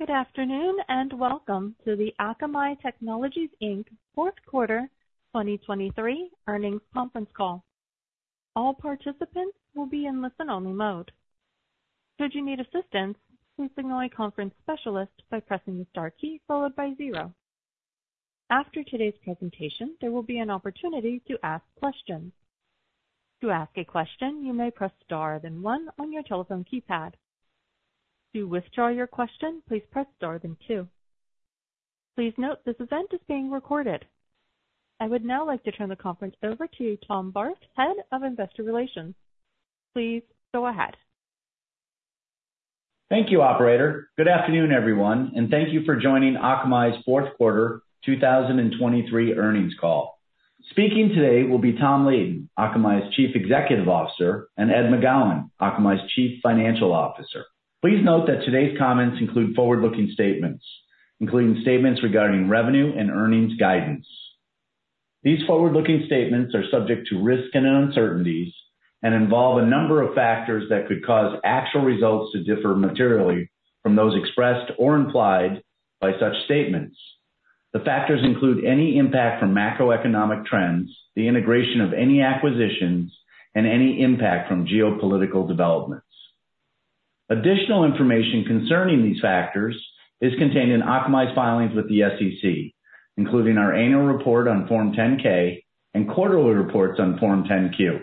Good afternoon, and Welcome to the Akamai Technologies Inc. Fourth Quarter 2023 Earnings Conference Call. All participants will be in listen-only mode. Should you need assistance, please signal a conference specialist by pressing the star key followed by zero. After today's presentation, there will be an opportunity to ask questions. To ask a question, you may press star, then one on your telephone keypad. To withdraw your question, please press star, then two. Please note, this event is being recorded. I would now like to turn the conference over to Tom Barth, Head of Investor Relations. Please go ahead. Thank you, operator. Good afternoon, everyone, and thank you for joining Akamai's Fourth Quarter 2023 Earnings Call. Speaking today will be Tom Leighton, Akamai's Chief Executive Officer, and Ed McGowan, Akamai's Chief Financial Officer. Please note that today's comments include forward-looking statements, including statements regarding revenue and earnings guidance. These forward-looking statements are subject to risks and uncertainties and involve a number of factors that could cause actual results to differ materially from those expressed or implied by such statements. The factors include any impact from macroeconomic trends, the integration of any acquisitions, and any impact from geopolitical developments. Additional information concerning these factors is contained in Akamai's filings with the SEC, including our annual report on Form 10-K and quarterly reports on Form 10-Q.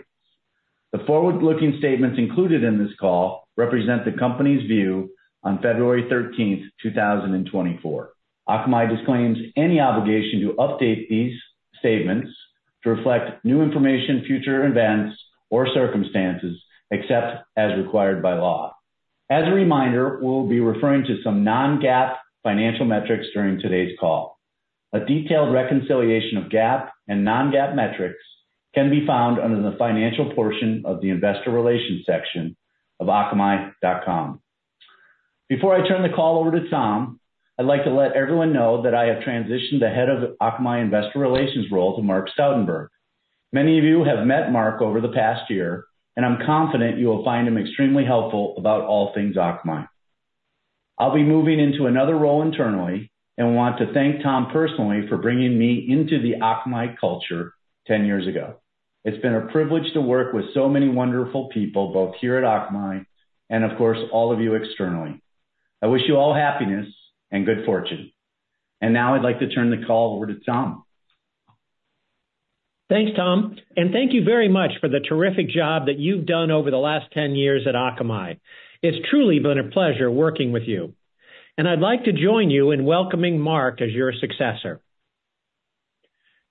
The forward-looking statements included in this call represent the company's view on February 13th, 2024. Akamai disclaims any obligation to update these statements to reflect new information, future events, or circumstances, except as required by law. As a reminder, we'll be referring to some non-GAAP financial metrics during today's call. A detailed reconciliation of GAAP and non-GAAP metrics can be found under the financial portion of the investor relations section of akamai.com. Before I turn the call over to Tom, I'd like to let everyone know that I have transitioned the head of Akamai Investor Relations role to Mark Stoutenberg. Many of you have met Mark over the past year, and I'm confident you will find him extremely helpful about all things Akamai. I'll be moving into another role internally and want to thank Tom personally for bringing me into the Akamai culture 10 years ago. It's been a privilege to work with so many wonderful people, both here at Akamai and, of course, all of you externally. I wish you all happiness and good fortune. Now I'd like to turn the call over to Tom. Thanks, Tom, and thank you very much for the terrific job that you've done over the last 10 years at Akamai. It's truly been a pleasure working with you, and I'd like to join you in welcoming Mark as your successor.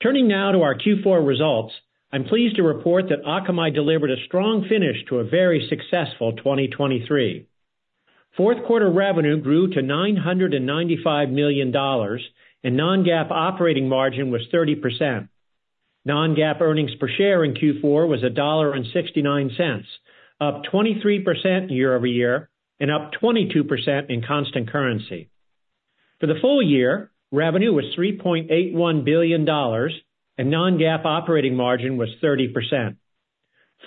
Turning now to our Q4 results, I'm pleased to report that Akamai delivered a strong finish to a very successful 2023. Fourth quarter revenue grew to $995 million, and non-GAAP operating margin was 30%. Non-GAAP earnings per share in Q4 was $1.69, up 23% year-over-year and up 22% in constant currency. For the full year, revenue was $3.81 billion, and non-GAAP operating margin was 30%.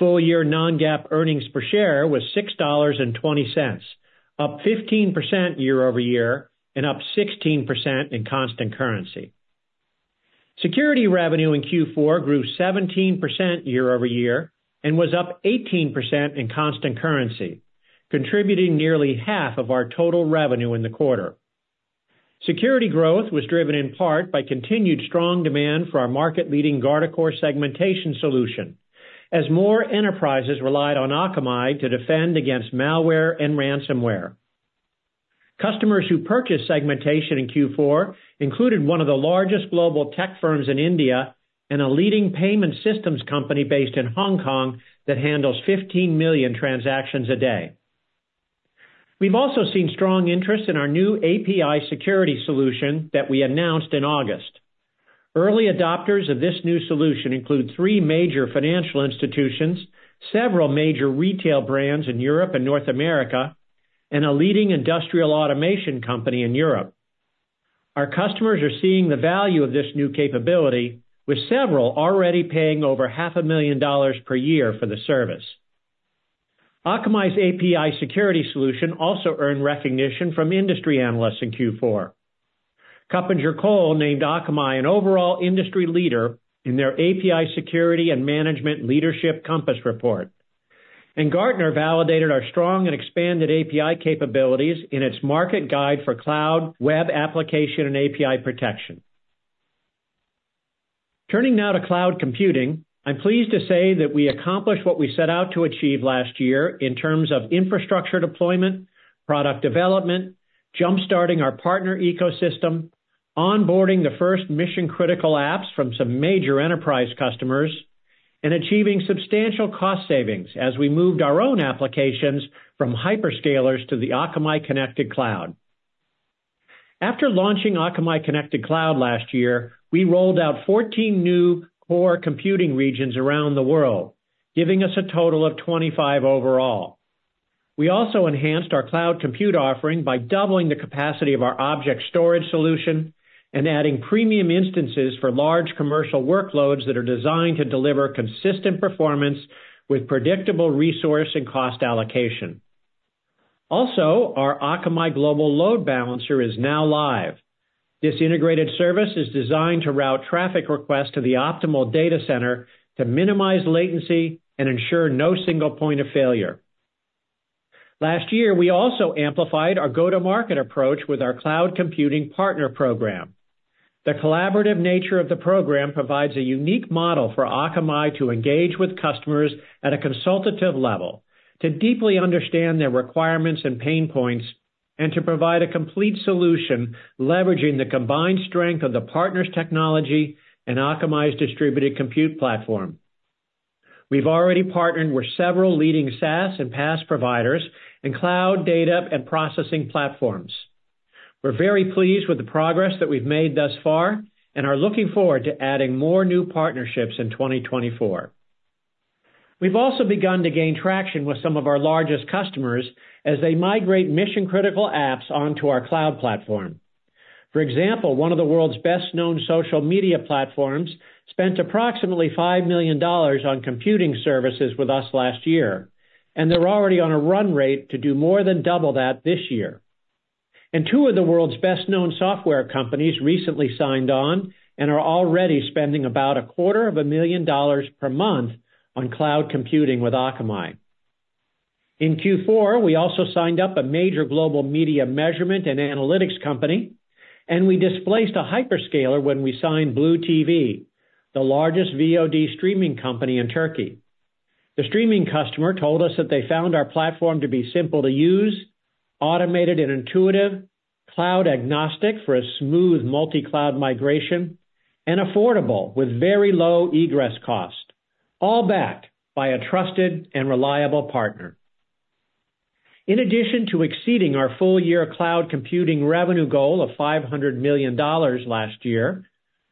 Full-year non-GAAP earnings per share was $6.20, up 15% year-over-year and up 16% in constant currency. Security revenue in Q4 grew 17% year-over-year and was up 18% in constant currency, contributing nearly half of our total revenue in the quarter. Security growth was driven in part by continued strong demand for our market-leading Guardicore Segmentation solution, as more enterprises relied on Akamai to defend against malware and ransomware. Customers who purchased segmentation in Q4 included one of the largest global tech firms in India and a leading payment systems company based in Hong Kong that handles 15 million transactions a day. We've also seen strong interest in our new API Security solution that we announced in August. Early adopters of this new solution include three major financial institutions, several major retail brands in Europe and North America, and a leading industrial automation company in Europe. Our customers are seeing the value of this new capability, with several already paying over $500,000 per year for the service. Akamai's API Security solution also earned recognition from industry analysts in Q4. KuppingerCole named Akamai an overall industry leader in their API Security and Management Leadership Compass report. Gartner validated our strong and expanded API capabilities in its Market Guide for Cloud, Web Application, and API Protection. Turning now to cloud computing, I'm pleased to say that we accomplished what we set out to achieve last year in terms of infrastructure deployment, product development, jumpstarting our partner ecosystem, onboarding the first mission-critical apps from some major enterprise customers, and achieving substantial cost savings as we moved our own applications from hyperscalers to the Akamai Connected Cloud. After launching Akamai Connected Cloud last year, we rolled out 14 new core computing regions around the world, giving us a total of 25 overall. We also enhanced our cloud compute offering by doubling the capacity of our object storage solution and adding premium instances for large commercial workloads that are designed to deliver consistent performance with predictable resource and cost allocation. Also, our Akamai Global Load Balancer is now live. This integrated service is designed to route traffic requests to the optimal data center to minimize latency and ensure no single point of failure. Last year, we also amplified our go-to-market approach with our cloud computing partner program. The collaborative nature of the program provides a unique model for Akamai to engage with customers at a consultative level, to deeply understand their requirements and pain points, and to provide a complete solution, leveraging the combined strength of the partner's technology and Akamai's distributed compute platform. We've already partnered with several leading SaaS and PaaS providers and cloud data and processing platforms. We're very pleased with the progress that we've made thus far and are looking forward to adding more new partnerships in 2024. We've also begun to gain traction with some of our largest customers as they migrate mission-critical apps onto our cloud platform. For example, one of the world's best-known social media platforms spent approximately $5 million on computing services with us last year, and they're already on a run rate to do more than double that this year. Two of the world's best-known software companies recently signed on and are already spending about $250,000 per month on cloud computing with Akamai. In Q4, we also signed up a major global media measurement and analytics company, and we displaced a hyperscaler when we signed BluTV, the largest VOD streaming company in Turkey. The streaming customer told us that they found our platform to be simple to use, automated and intuitive, cloud agnostic for a smooth multi-cloud migration, and affordable, with very low egress cost, all backed by a trusted and reliable partner. In addition to exceeding our full-year cloud computing revenue goal of $500 million last year,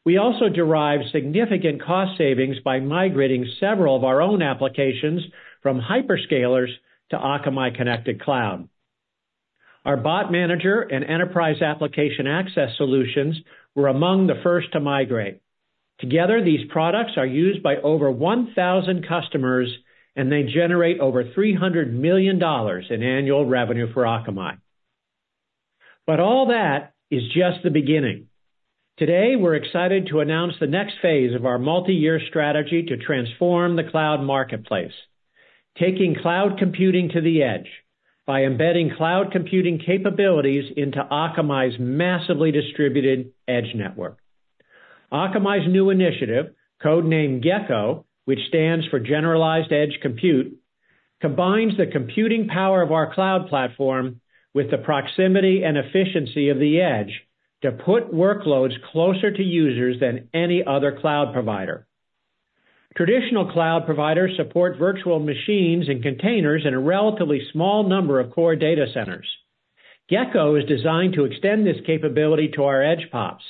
we also derived significant cost savings by migrating several of our own applications from hyperscalers to Akamai Connected Cloud. Our Bot Manager and Enterprise Application Access solutions were among the first to migrate. Together, these products are used by over 1,000 customers, and they generate over $300 million in annual revenue for Akamai. But all that is just the beginning. Today, we're excited to announce the next phase of our multiyear strategy to transform the cloud marketplace, taking cloud computing to the edge by embedding cloud computing capabilities into Akamai's massively distributed edge network. Akamai's new initiative, code-named Gecko, which stands for Generalized Edge Compute, combines the computing power of our cloud platform with the proximity and efficiency of the edge to put workloads closer to users than any other cloud provider. Traditional cloud providers support virtual machines and containers in a relatively small number of core data centers. Gecko is designed to extend this capability to our edge POPs,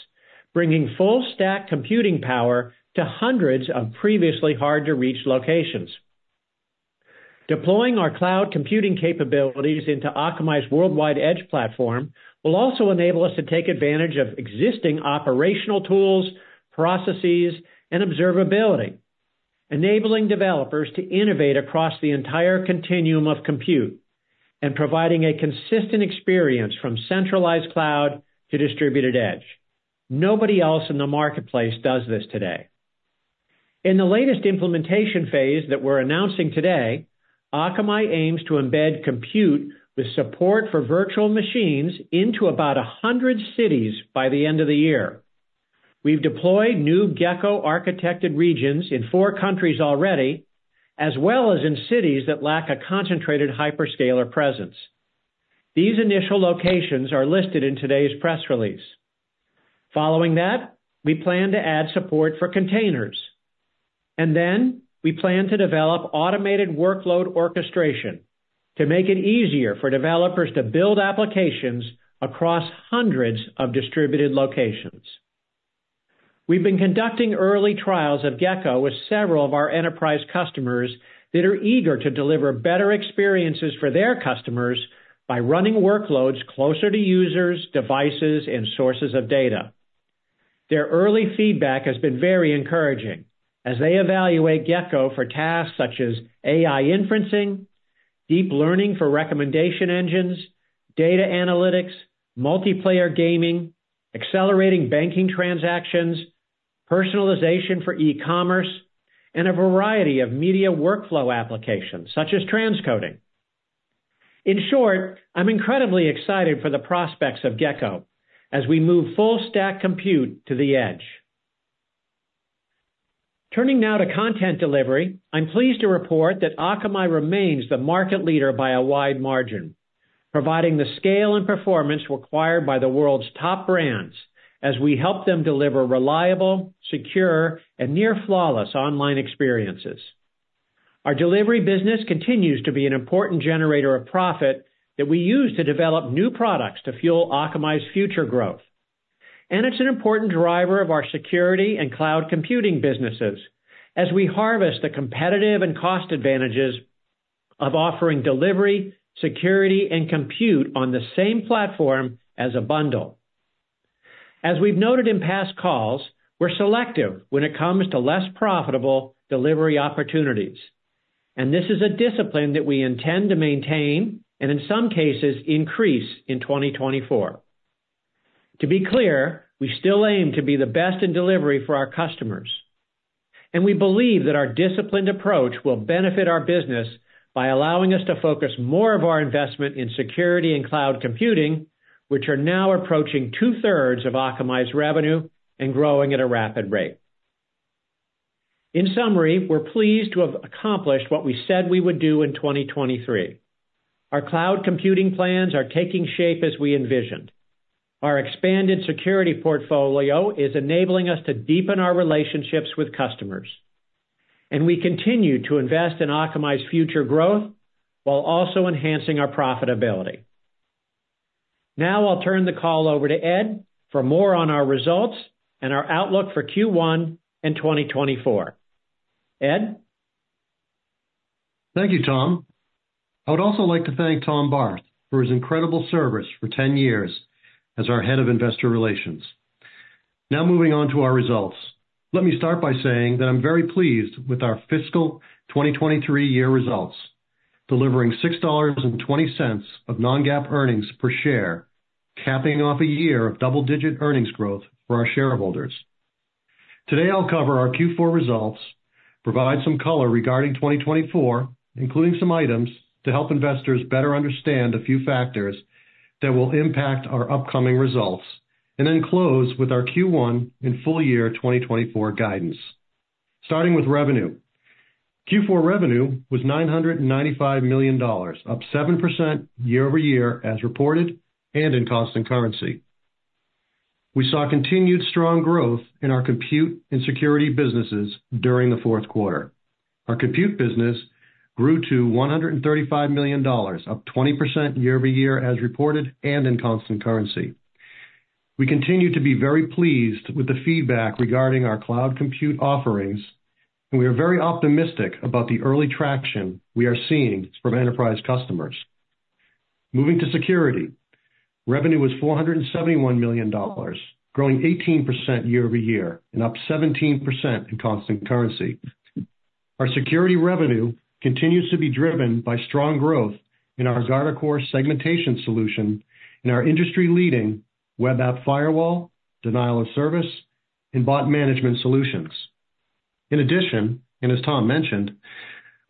bringing full-stack computing power to hundreds of previously hard-to-reach locations. Deploying our cloud computing capabilities into Akamai's worldwide edge platform will also enable us to take advantage of existing operational tools, processes, and observability, enabling developers to innovate across the entire continuum of compute and providing a consistent experience from centralized cloud to distributed edge. Nobody else in the marketplace does this today. In the latest implementation phase that we're announcing today, Akamai aims to embed compute with support for virtual machines into about 100 cities by the end of the year. We've deployed new Gecko architected regions in four countries already, as well as in cities that lack a concentrated hyperscaler presence. These initial locations are listed in today's press release. Following that, we plan to add support for containers, and then we plan to develop automated workload orchestration to make it easier for developers to build applications across hundreds of distributed locations. We've been conducting early trials of Gecko with several of our enterprise customers that are eager to deliver better experiences for their customers by running workloads closer to users, devices, and sources of data. Their early feedback has been very encouraging as they evaluate Gecko for tasks such as AI inferencing, deep learning for recommendation engines, data analytics, multiplayer gaming, accelerating banking transactions, personalization for e-commerce, and a variety of media workflow applications, such as transcoding. In short, I'm incredibly excited for the prospects of Gecko as we move full-stack compute to the edge. Turning now to content delivery, I'm pleased to report that Akamai remains the market leader by a wide margin, providing the scale and performance required by the world's top brands as we help them deliver reliable, secure, and near-flawless online experiences. Our delivery business continues to be an important generator of profit that we use to develop new products to fuel Akamai's future growth. It's an important driver of our security and cloud computing businesses as we harvest the competitive and cost advantages of offering delivery, security, and compute on the same platform as a bundle.... As we've noted in past calls, we're selective when it comes to less profitable delivery opportunities, and this is a discipline that we intend to maintain and, in some cases, increase in 2024. To be clear, we still aim to be the best in delivery for our customers, and we believe that our disciplined approach will benefit our business by allowing us to focus more of our investment in security and cloud computing, which are now approaching two-thirds of Akamai's revenue and growing at a rapid rate. In summary, we're pleased to have accomplished what we said we would do in 2023. Our cloud computing plans are taking shape as we envisioned. Our expanded security portfolio is enabling us to deepen our relationships with customers, and we continue to invest in Akamai's future growth while also enhancing our profitability. Now I'll turn the call over to Ed for more on our results and our outlook for Q1 and 2024. Ed? Thank you, Tom. I would also like to thank Tom Barth for his incredible service for 10 years as our Head of Investor Relations. Now moving on to our results. Let me start by saying that I'm very pleased with our fiscal 2023 year results, delivering $6.20 of non-GAAP earnings per share, capping off a year of double-digit earnings growth for our shareholders. Today, I'll cover our Q4 results, provide some color regarding 2024, including some items to help investors better understand a few factors that will impact our upcoming results, and then close with our Q1 and full year 2024 guidance. Starting with revenue. Q4 revenue was $995 million, up 7% year-over-year, as reported and in constant currency. We saw continued strong growth in our compute and security businesses during the fourth quarter. Our compute business grew to $135 million, up 20% year-over-year, as reported and in constant currency. We continue to be very pleased with the feedback regarding our cloud compute offerings, and we are very optimistic about the early traction we are seeing from enterprise customers. Moving to security. Revenue was $471 million, growing 18% year-over-year and up 17% in constant currency. Our security revenue continues to be driven by strong growth in our Guardicore Segmentation solution and our industry-leading web app firewall, denial of service, and bot management solutions. In addition, and as Tom mentioned,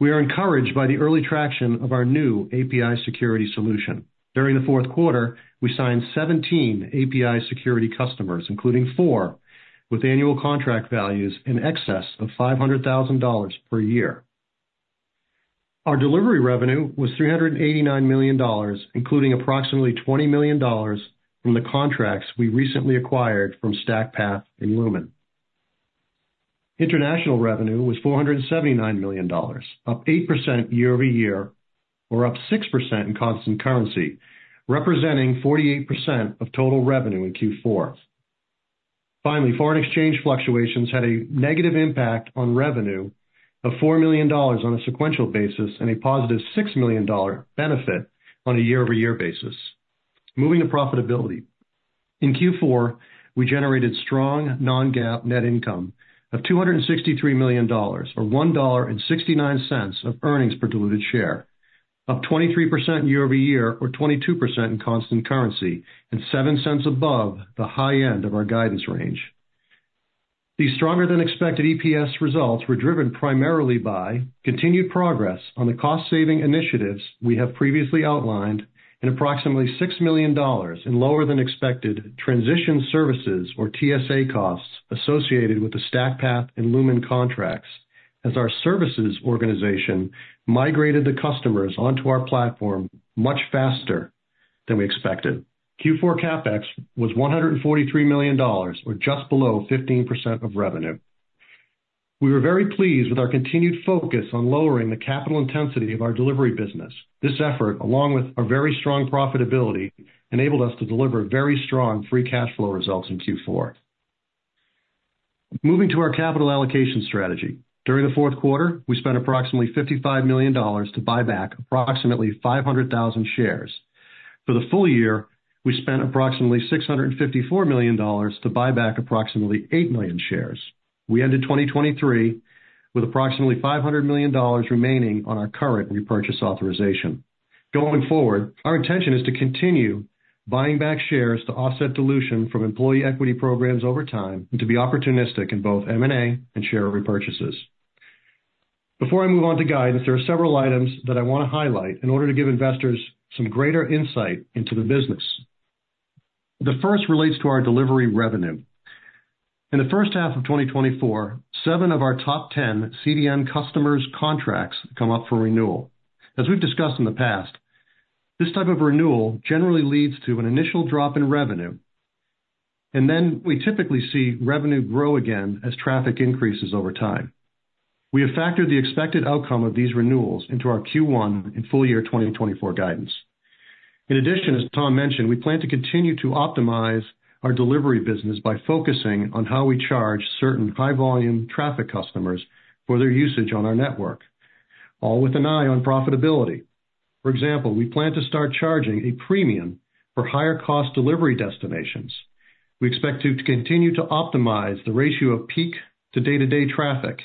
we are encouraged by the early traction of our new API Security solution. During the fourth quarter, we signed 17 API Security customers, including four, with annual contract values in excess of $500,000 per year. Our delivery revenue was $389 million, including approximately $20 million from the contracts we recently acquired from StackPath and Lumen. International revenue was $479 million, up 8% year-over-year, or up 6% in constant currency, representing 48% of total revenue in Q4. Finally, foreign exchange fluctuations had a negative impact on revenue of $4 million on a sequential basis and a +$6 million benefit on a year-over-year basis. Moving to profitability. In Q4, we generated strong non-GAAP net income of $263 million, or $1.69 of earnings per diluted share, up 23% year-over-year, or 22% in constant currency, and 7 cents above the high end of our guidance range. These stronger-than-expected EPS results were driven primarily by continued progress on the cost-saving initiatives we have previously outlined and approximately $6 million in lower-than-expected transition services, or TSA, costs associated with the StackPath and Lumen contracts, as our services organization migrated the customers onto our platform much faster than we expected. Q4 CapEx was $143 million, or just below 15% of revenue. We were very pleased with our continued focus on lowering the capital intensity of our delivery business. This effort, along with our very strong profitability, enabled us to deliver very strong free cash flow results in Q4. Moving to our capital allocation strategy. During the fourth quarter, we spent approximately $55 million to buy back approximately 500,000 shares. For the full year, we spent approximately $654 million to buy back approximately 8 million shares. We ended 2023 with approximately $500 million remaining on our current repurchase authorization. Going forward, our intention is to continue buying back shares to offset dilution from employee equity programs over time and to be opportunistic in both M&A and share repurchases. Before I move on to guidance, there are several items that I want to highlight in order to give investors some greater insight into the business. The first relates to our delivery revenue. In the first half of 2024, seven of our top ten CDN customers' contracts come up for renewal. As we've discussed in the past, this type of renewal generally leads to an initial drop in revenue, and then we typically see revenue grow again as traffic increases over time. We have factored the expected outcome of these renewals into our Q1 and full year 2024 guidance. In addition, as Tom mentioned, we plan to continue to optimize our delivery business by focusing on how we charge certain high-volume traffic customers for their usage on our network, all with an eye on profitability. For example, we plan to start charging a premium for higher-cost delivery destinations. We expect to continue to optimize the ratio of peak to day-to-day traffic,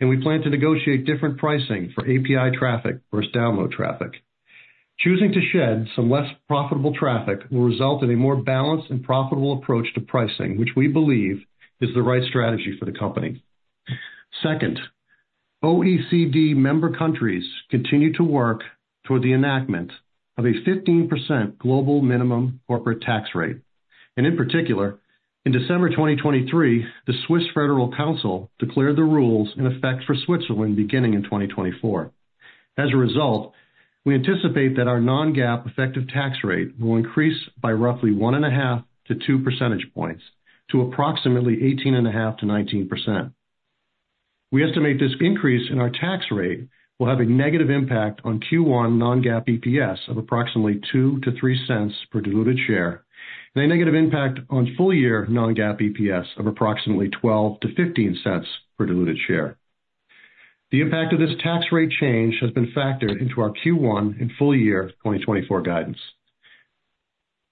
and we plan to negotiate different pricing for API traffic versus download traffic. Choosing to shed some less profitable traffic will result in a more balanced and profitable approach to pricing, which we believe is the right strategy for the company. Second, OECD member countries continue to work toward the enactment of a 15% global minimum corporate tax rate, and in particular, in December 2023, the Swiss Federal Council declared the rules in effect for Switzerland beginning in 2024. As a result, we anticipate that our non-GAAP effective tax rate will increase by roughly 1.5-2 percentage points, to approximately 18.5%-19%. We estimate this increase in our tax rate will have a negative impact on Q1 non-GAAP EPS of approximately $0.02-$0.03 per diluted share, and a negative impact on full-year non-GAAP EPS of approximately $0.12-$0.15 per diluted share. The impact of this tax rate change has been factored into our Q1 and full-year 2024 guidance.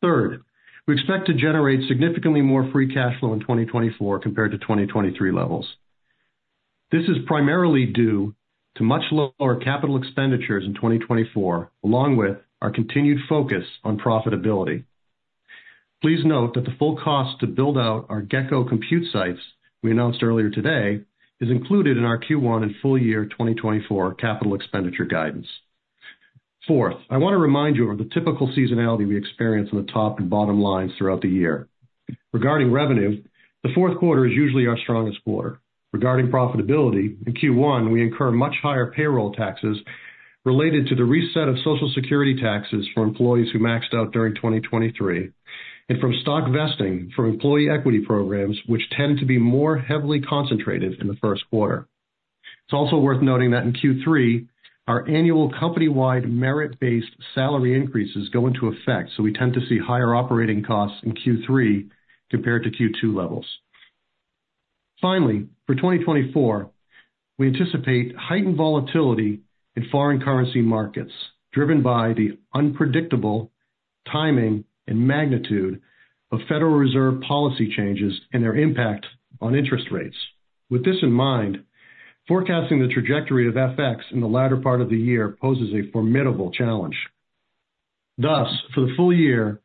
Third, we expect to generate significantly more free cash flow in 2024 compared to 2023 levels. This is primarily due to much lower capital expenditures in 2024, along with our continued focus on profitability. Please note that the full cost to build out our Gecko Compute sites we announced earlier today is included in our Q1 and full-year 2024 capital expenditure guidance. Fourth, I want to remind you of the typical seasonality we experience on the top and bottom lines throughout the year. Regarding revenue, the fourth quarter is usually our strongest quarter. Regarding profitability, in Q1, we incur much higher payroll taxes related to the reset of Social Security taxes for employees who maxed out during 2023, and from stock vesting for employee equity programs, which tend to be more heavily concentrated in the first quarter. It's also worth noting that in Q3, our annual company-wide merit-based salary increases go into effect, so we tend to see higher operating costs in Q3 compared to Q2 levels. Finally, for 2024, we anticipate heightened volatility in foreign currency markets, driven by the unpredictable timing and magnitude of Federal Reserve policy changes and their impact on interest rates. With this in mind, forecasting the trajectory of FX in the latter part of the year poses a formidable challenge. Thus, for the full year,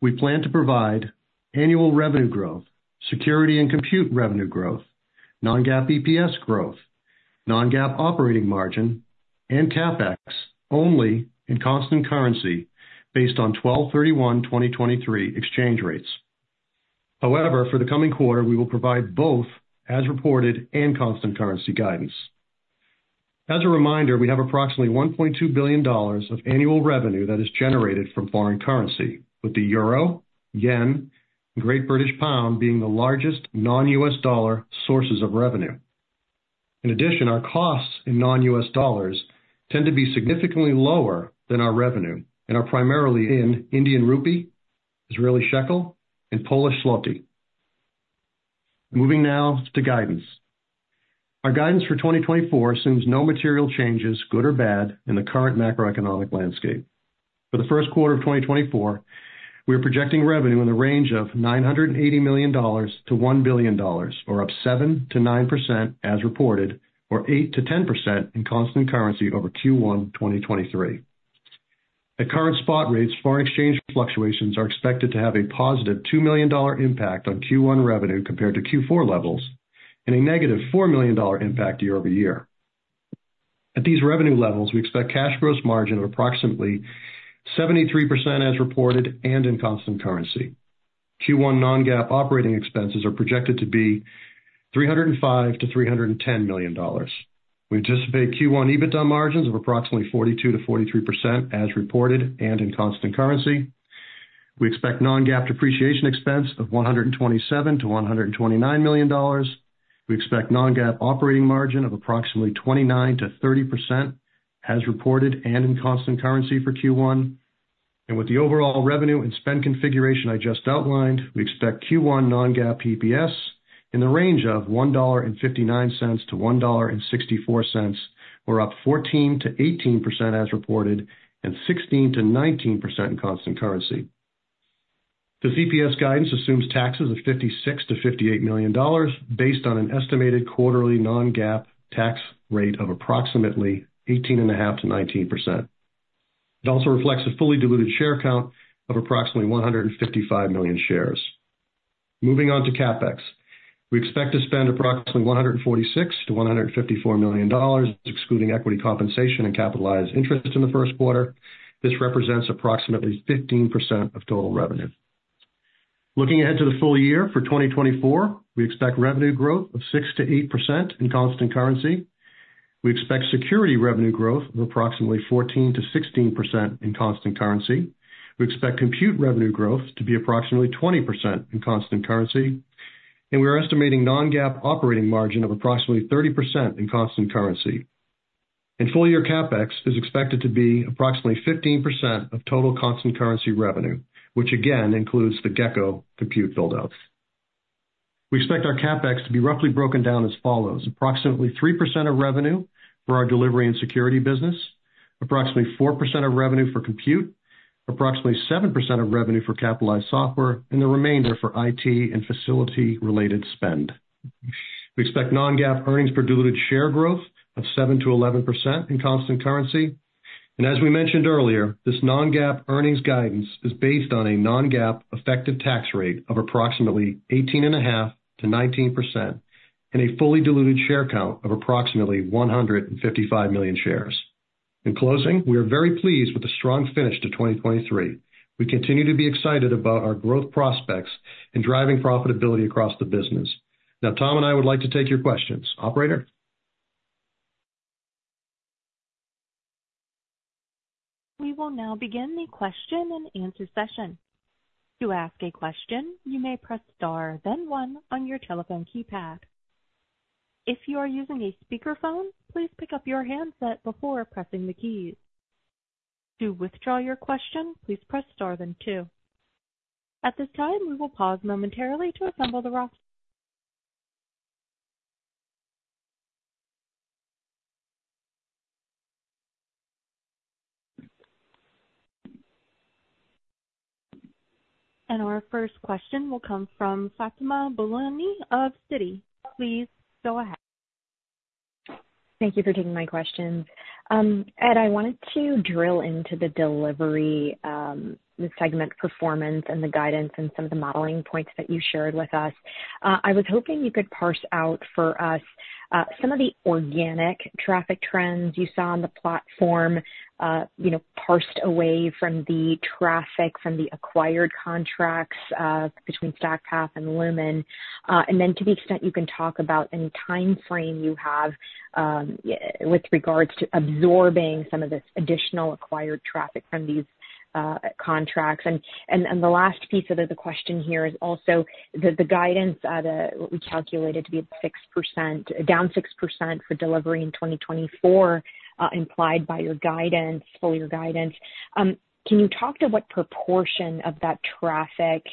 we plan to provide annual revenue growth, security and compute revenue growth, non-GAAP EPS growth, non-GAAP operating margin, and CapEx only in constant currency based on 12/31/2023 exchange rates. However, for the coming quarter, we will provide both as reported and constant currency guidance. As a reminder, we have approximately $1.2 billion of annual revenue that is generated from foreign currency, with the euro, yen, and Great British pound being the largest non-U.S. dollar sources of revenue. In addition, our costs in non-U.S. dollars tend to be significantly lower than our revenue and are primarily in Indian rupee, Israeli shekel, and Polish zloty. Moving now to guidance. Our guidance for 2024 assumes no material changes, good or bad, in the current macroeconomic landscape. For the first quarter of 2024, we are projecting revenue in the range of $980 million-$1 billion, or up 7%-9% as reported, or 8%-10% in constant currency over Q1 2023. At current spot rates, foreign exchange fluctuations are expected to have a +$2 million impact on Q1 revenue compared to Q4 levels, and a -$4 million impact year-over-year. At these revenue levels, we expect cash gross margin of approximately 73% as reported and in constant currency. Q1 non-GAAP operating expenses are projected to be $305 million-$310 million. We anticipate Q1 EBITDA margins of approximately 42%-43% as reported and in constant currency. We expect non-GAAP depreciation expense of $127 million-$129 million. We expect non-GAAP operating margin of approximately 29%-30% as reported and in constant currency for Q1. With the overall revenue and spend configuration I just outlined, we expect Q1 non-GAAP EPS in the range of $1.59-$1.64, or up 14%-18% as reported, and 16%-19% in constant currency. The EPS guidance assumes taxes of $56 million-$58 million, based on an estimated quarterly non-GAAP tax rate of approximately 18.5%-19%. It also reflects a fully diluted share count of approximately 155 million shares. Moving on to CapEx. We expect to spend approximately $146 million-$154 million, excluding equity compensation and capitalized interest in the first quarter. This represents approximately 15% of total revenue. Looking ahead to the full year for 2024, we expect revenue growth of 6%-8% in constant currency. We expect security revenue growth of approximately 14%-16% in constant currency. We expect compute revenue growth to be approximately 20% in constant currency, and we are estimating non-GAAP operating margin of approximately 30% in constant currency. Full-year CapEx is expected to be approximately 15% of total constant currency revenue, which again, includes the Gecko Compute buildouts.... We expect our CapEx to be roughly broken down as follows: approximately 3% of revenue for our delivery and security business, approximately 4% of revenue for compute, approximately 7% of revenue for capitalized software, and the remainder for IT and facility-related spend. We expect non-GAAP earnings per diluted share growth of 7%-11% in constant currency. As we mentioned earlier, this non-GAAP earnings guidance is based on a non-GAAP effective tax rate of approximately 18.5%-19% and a fully diluted share count of approximately 155 million shares. In closing, we are very pleased with the strong finish to 2023. We continue to be excited about our growth prospects and driving profitability across the business. Now, Tom and I would like to take your questions. Operator? We will now begin the question-and-answer session. To ask a question, you may press star, then one on your telephone keypad. If you are using a speakerphone, please pick up your handset before pressing the keys. To withdraw your question, please press star then two. At this time, we will pause momentarily to assemble the queue. Our first question will come from Fatima Boolani of Citi. Please go ahead. Thank you for taking my questions. Ed, I wanted to drill into the delivery, the segment performance and the guidance and some of the modeling points that you shared with us. I was hoping you could parse out for us some of the organic traffic trends you saw on the platform, you know, parsed away from the traffic from the acquired contracts, between StackPath and Lumen. And then to the extent you can talk about any time frame you have with regards to absorbing some of this additional acquired traffic from these contracts. The last piece of the question here is also the guidance, what we calculated to be at 6%, down 6% for delivery in 2024, implied by your guidance, full year guidance. Can you talk to what proportion of that traffic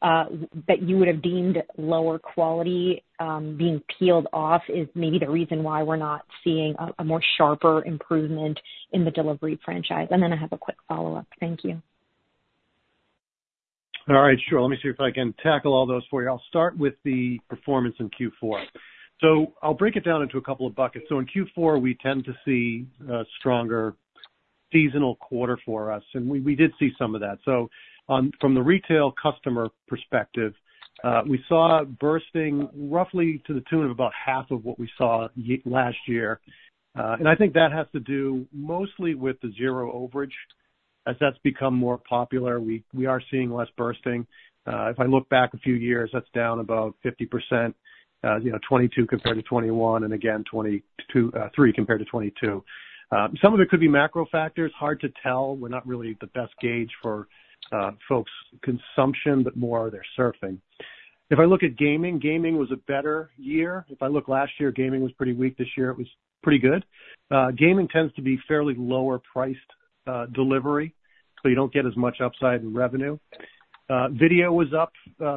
that you would have deemed lower quality being peeled off is maybe the reason why we're not seeing a more sharper improvement in the delivery franchise? And then I have a quick follow-up. Thank you. All right. Sure. Let me see if I can tackle all those for you. I'll start with the performance in Q4. So I'll break it down into a couple of buckets. So in Q4, we tend to see a stronger seasonal quarter for us, and we, we did see some of that. So on, from the retail customer perspective, we saw bursting roughly to the tune of about half of what we saw last year. And I think that has to do mostly with the zero overage. As that's become more popular, we, we are seeing less bursting. If I look back a few years, that's down about 50%, you know, 2022 compared to 2021, and again, 2023 compared to 2022. Some of it could be macro factors. Hard to tell. We're not really the best gauge for, folks' consumption, but more their surfing. If I look at gaming, gaming was a better year. If I look last year, gaming was pretty weak. This year, it was pretty good. Gaming tends to be fairly lower priced delivery, so you don't get as much upside in revenue. Video was up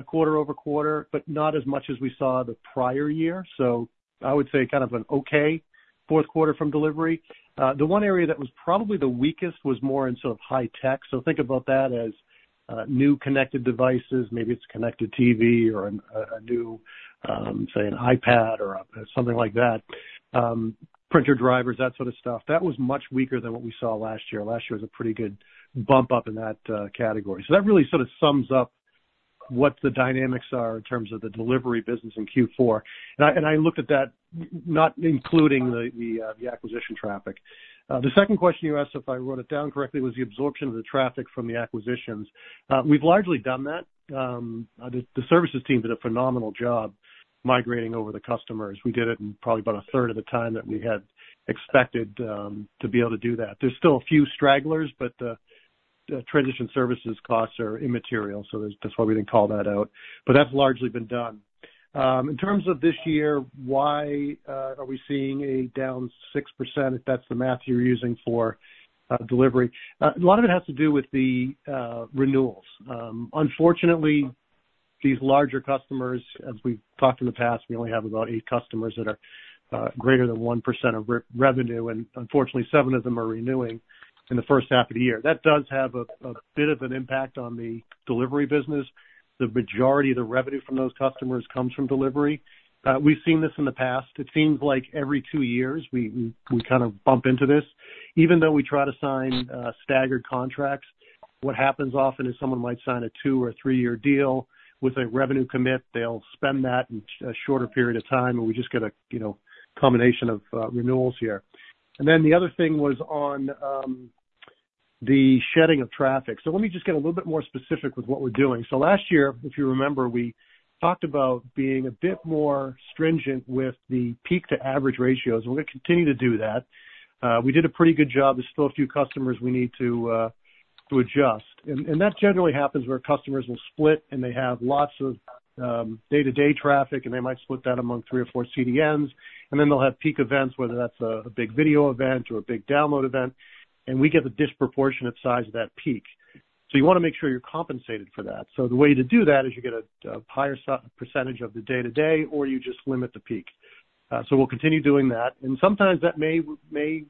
quarter-over-quarter, but not as much as we saw the prior year. So I would say kind of an okay fourth quarter from delivery. The one area that was probably the weakest was more in sort of high tech. So think about that as, new connected devices. Maybe it's connected TV or, a new, say, an iPad or something like that, printer, drivers, that sort of stuff. That was much weaker than what we saw last year. Last year was a pretty good bump up in that category. So that really sort of sums up what the dynamics are in terms of the delivery business in Q4. And I looked at that, not including the acquisition traffic. The second question you asked, if I wrote it down correctly, was the absorption of the traffic from the acquisitions. We've largely done that. The services team did a phenomenal job migrating over the customers. We did it in probably about a third of the time that we had expected to be able to do that. There's still a few stragglers, but the transition services costs are immaterial, so that's why we didn't call that out. But that's largely been done. In terms of this year, why are we seeing a down 6%, if that's the math you're using for delivery? A lot of it has to do with the renewals. Unfortunately, these larger customers, as we've talked in the past, we only have about eight customers that are greater than 1% of revenue, and unfortunately, seven of them are renewing in the first half of the year. That does have a bit of an impact on the delivery business. The majority of the revenue from those customers comes from delivery. We've seen this in the past. It seems like every two years we kind of bump into this. Even though we try to sign staggered contracts, what happens often is someone might sign a 2-year or 3-year deal with a revenue commit. They'll spend that in a shorter period of time, and we just get a, you know, combination of, renewals here. And then the other thing was on, the shedding of traffic. So let me just get a little bit more specific with what we're doing. So last year, if you remember, we talked about being a bit more stringent with the peak-to-average ratios, and we're going to continue to do that. We did a pretty good job. There's still a few customers we need to adjust. And that generally happens where customers will split and they have lots of, day-to-day traffic, and they might split that among three or four CDNs, and then they'll have peak events, whether that's a big video event or a big download event, and we get the disproportionate size of that peak... So you wanna make sure you're compensated for that. So the way to do that is you get a higher percentage of the day-to-day, or you just limit the peak. So we'll continue doing that, and sometimes that may mean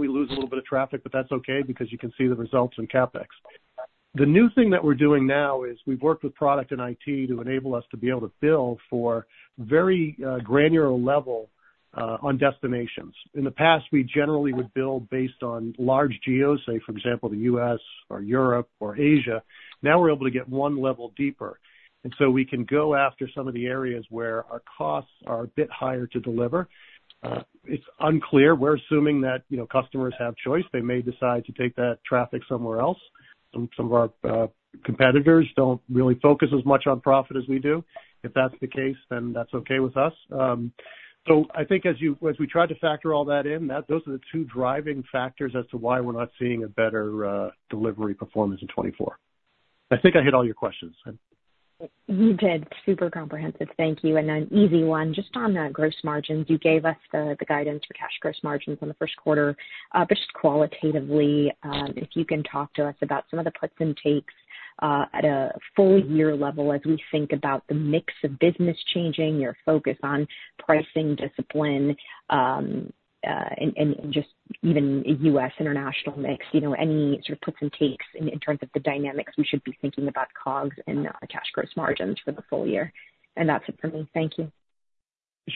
we lose a little bit of traffic, but that's okay because you can see the results in CapEx. The new thing that we're doing now is we've worked with product and IT to enable us to be able to bill for very granular level on destinations. In the past, we generally would bill based on large geos, say, for example, the U.S. or Europe or Asia. Now we're able to get one level deeper, and so we can go after some of the areas where our costs are a bit higher to deliver. It's unclear. We're assuming that, you know, customers have choice. They may decide to take that traffic somewhere else. Some of our competitors don't really focus as much on profit as we do. If that's the case, then that's okay with us. So I think as we try to factor all that in, those are the two driving factors as to why we're not seeing a better delivery performance in 2024. I think I hit all your questions. You did. Super comprehensive. Thank you. And an easy one, just on the gross margins. You gave us the guidance for cash gross margins on the first quarter. But just qualitatively, if you can talk to us about some of the puts and takes at a full year level as we think about the mix of business changing, your focus on pricing discipline, and just even U.S. international mix, you know, any sort of puts and takes in terms of the dynamics we should be thinking about COGS and cash gross margins for the full year. And that's it for me. Thank you.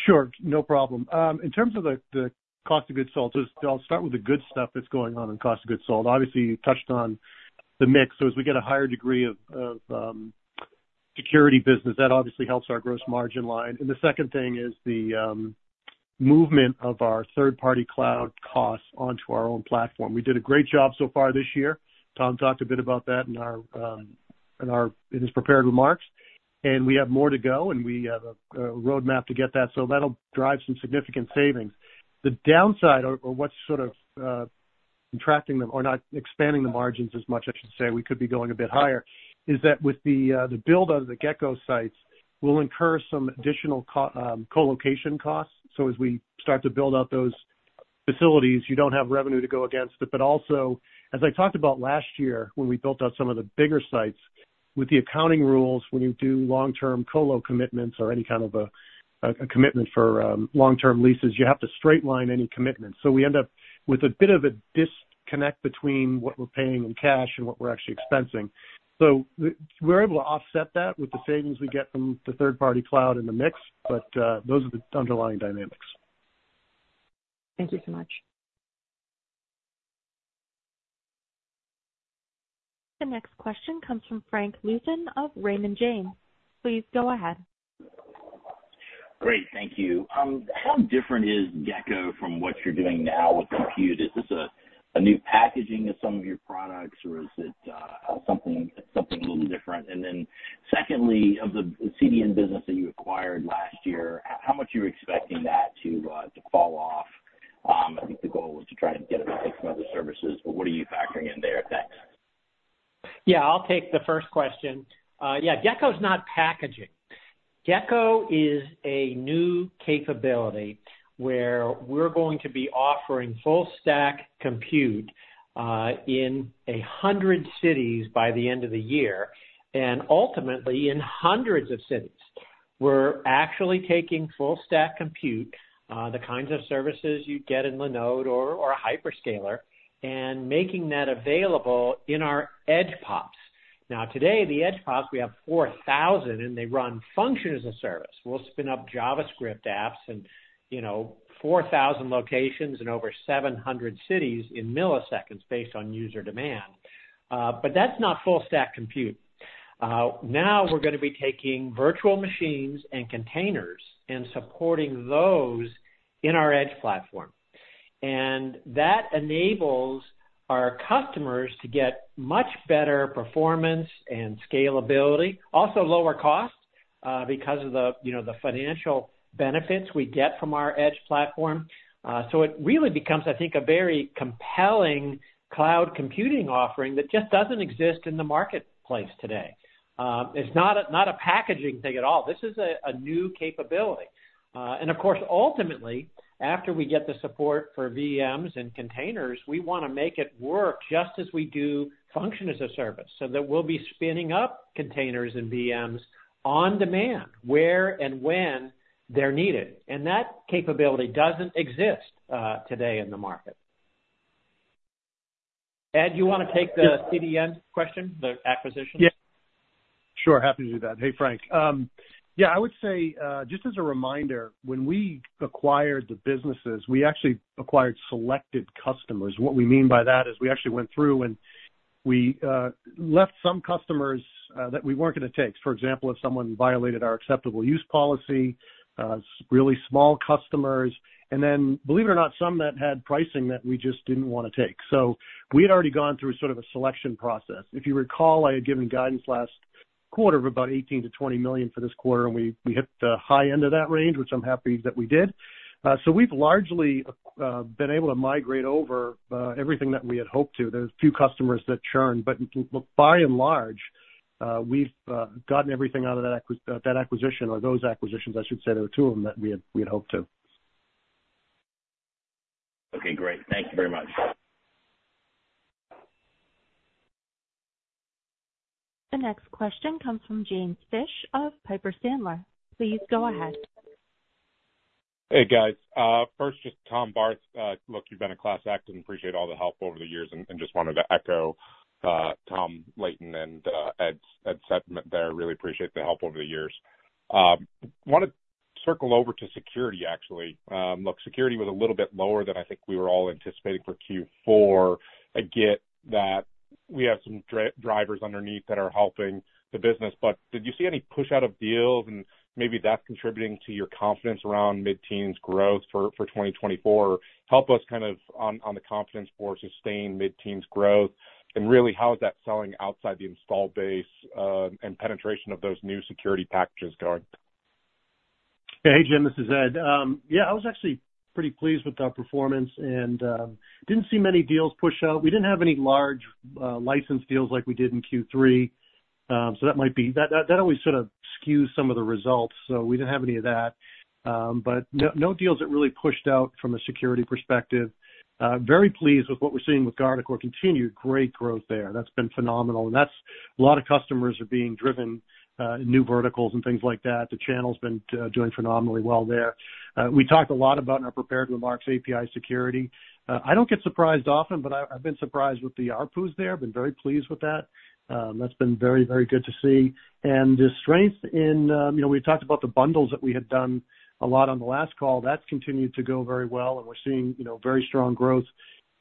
Sure, no problem. In terms of the cost of goods sold, just I'll start with the good stuff that's going on in cost of goods sold. Obviously, you touched on the mix. So as we get a higher degree of security business, that obviously helps our gross margin line. And the second thing is the movement of our third-party cloud costs onto our own platform. We did a great job so far this year. Tom talked a bit about that in his prepared remarks, and we have more to go, and we have a roadmap to get that. So that'll drive some significant savings. The downside or what's sort of contracting them or not expanding the margins as much I should say, we could be going a bit higher, is that with the build out of the Gecko sites, we'll incur some additional colocation costs. So as we start to build out those facilities, you don't have revenue to go against it. But also, as I talked about last year, when we built out some of the bigger sites, with the accounting rules, when you do long-term colo commitments or any kind of a commitment for long-term leases, you have to straight line any commitments. So we end up with a bit of a disconnect between what we're paying in cash and what we're actually expensing. So we're able to offset that with the savings we get from the third-party cloud in the mix, but those are the underlying dynamics. Thank you so much. The next question comes from Frank Louthan of Raymond James. Please go ahead. Great, thank you. How different is Gecko from what you're doing now with Compute? Is this a new packaging of some of your products, or is it something a little different? And then secondly, of the CDN business that you acquired last year, how much are you expecting that to fall off? I think the goal was to try and get it to take some other services, but what are you factoring in there at that? Yeah, I'll take the first question. Yeah, Gecko is not packaging. Gecko is a new capability where we're going to be offering full stack compute in 100 cities by the end of the year, and ultimately in hundreds of cities. We're actually taking full stack compute, the kinds of services you'd get in Linode or a hyperscaler, and making that available in our edgePOPs. Now, today, the edge POPs, we have 4,000, and they run Function as a Service. We'll spin up JavaScript apps and, you know, 4,000 locations in over 700 cities in milliseconds based on user demand, but that's not full stack compute. Now we're gonna be taking virtual machines and containers and supporting those in our edge platform. And that enables our customers to get much better performance and scalability, also lower cost, because of the, you know, the financial benefits we get from our edge platform. So it really becomes, I think, a very compelling cloud computing offering that just doesn't exist in the marketplace today. It's not a, not a packaging thing at all. This is a, a new capability. And of course, ultimately, after we get the support for VMs and containers, we wanna make it work just as we do function as a service, so that we'll be spinning up containers and VMs on demand, where and when they're needed. And that capability doesn't exist, today in the market. Ed, you want to take the CDN question, the acquisition? Yeah. Sure, happy to do that. Hey, Frank. Yeah, I would say just as a reminder, when we acquired the businesses, we actually acquired selected customers. What we mean by that is we actually went through and we left some customers that we weren't gonna take. For example, if someone violated our acceptable use policy, really small customers, and then believe it or not, some that had pricing that we just didn't want to take. So we had already gone through sort of a selection process. If you recall, I had given guidance last quarter of about $18 million-$20 million for this quarter, and we hit the high end of that range, which I'm happy that we did. So we've largely been able to migrate over everything that we had hoped to. There's a few customers that churn, but by and large, we've gotten everything out of that acquisition or those acquisitions, I should say, there were two of them, that we had hoped to.... Okay, great. Thank you very much. The next question comes from James Fish of Piper Sandler. Please go ahead. Hey, guys. First, just Tom Barth. Look, you've been a class act and appreciate all the help over the years, and just wanted to echo Tom Leighton and Ed McGowan there. Really appreciate the help over the years. Wanted to circle over to security, actually. Look, security was a little bit lower than I think we were all anticipating for Q4. I get that we have some drivers underneath that are helping the business, but did you see any push out of deals and maybe that's contributing to your confidence around mid-teens growth for 2024? Help us kind of on the confidence for sustained mid-teens growth and really, how is that selling outside the install base, and penetration of those new security packages going? Hey, Jim, this is Ed. I was actually pretty pleased with our performance and didn't see many deals push out. We didn't have any large license deals like we did in Q3. So that might be-that always sort of skews some of the results, so we didn't have any of that. But no, no deals that really pushed out from a security perspective. Very pleased with what we're seeing with Guardicore, continued great growth there. That's been phenomenal, and that's a lot of customers are being driven new verticals and things like that. The channel's been doing phenomenally well there. We talked a lot about in our prepared remarks, API Security. I don't get surprised often, but I've been surprised with the ARPUs there. I've been very pleased with that. That's been very, very good to see. And the strength in, you know, we talked about the bundles that we had done a lot on the last call. That's continued to go very well, and we're seeing, you know, very strong growth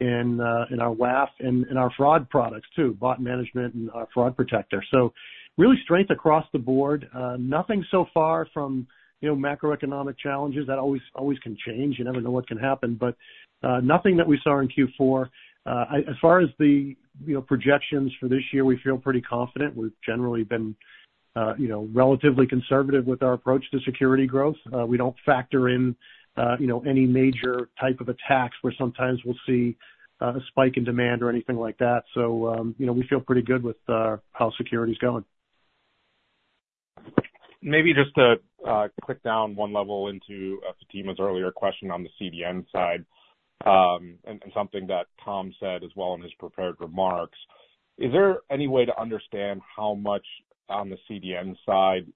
in our WAF and in our fraud products, too, bot management and fraud protector. So really strength across the board. Nothing so far from, you know, macroeconomic challenges. That always, always can change. You never know what can happen, but nothing that we saw in Q4. As far as the, you know, projections for this year, we feel pretty confident. We've generally been, you know, relatively conservative with our approach to security growth. We don't factor in, you know, any major type of attacks where sometimes we'll see a spike in demand or anything like that. So, you know, we feel pretty good with how security's going. Maybe just to click down one level into Fatima's earlier question on the CDN side, and something that Tom said as well in his prepared remarks. Is there any way to understand how much on the CDN side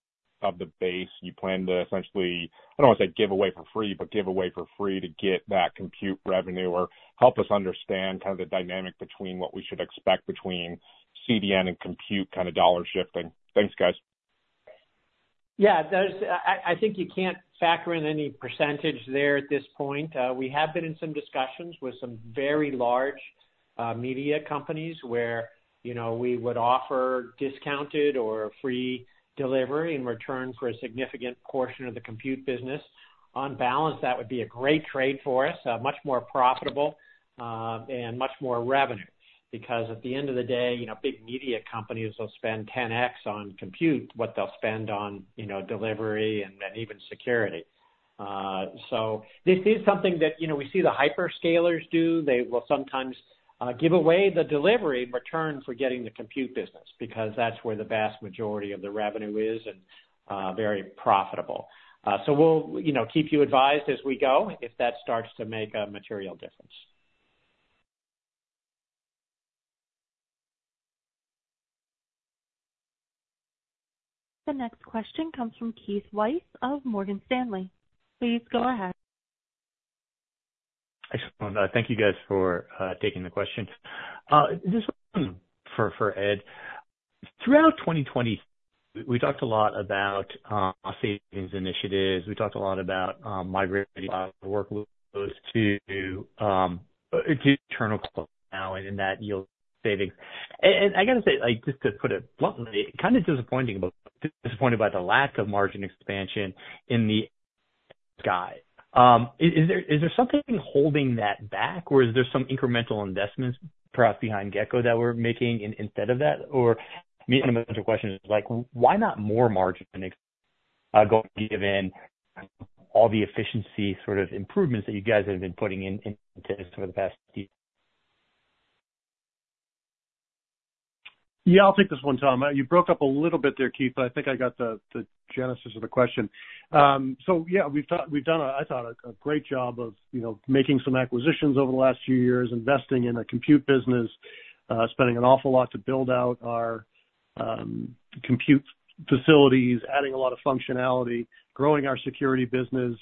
of the base you plan to essentially, I don't want to say give away for free, but give away for free to get that compute revenue? Or help us understand kind of the dynamic between what we should expect between CDN and compute kind of dollar shifting. Thanks, guys. Yeah, there's—I think you can't factor in any percentage there at this point. We have been in some discussions with some very large media companies where, you know, we would offer discounted or free delivery in return for a significant portion of the compute business. On balance, that would be a great trade for us, much more profitable, and much more revenue, because at the end of the day, you know, big media companies will spend 10x on compute what they'll spend on, you know, delivery and even security. So this is something that, you know, we see the hyperscalers do. They will sometimes give away the delivery in return for getting the compute business, because that's where the vast majority of the revenue is and very profitable. So we'll, you know, keep you advised as we go, if that starts to make a material difference. The next question comes from Keith Weiss of Morgan Stanley. Please go ahead. Excellent. Thank you guys for taking the questions. This one for Ed. Throughout 2020, we talked a lot about savings initiatives. We talked a lot about migrating workloads to internal cloud now, and in that yield savings. And I got to say, like, just to put it bluntly, kind of disappointing, disappointed by the lack of margin expansion in Q3. Is there something holding that back, or is there some incremental investments perhaps behind Gecko that we're making instead of that, or maybe another question is like, why not more margin, given all the efficiency sort of improvements that you guys have been putting in for the past years? Yeah, I'll take this one, Tom. You broke up a little bit there, Keith, but I think I got the genesis of the question. So yeah, we've done a great job of, you know, making some acquisitions over the last few years, investing in a compute business, spending an awful lot to build out our compute facilities, adding a lot of functionality, growing our security business,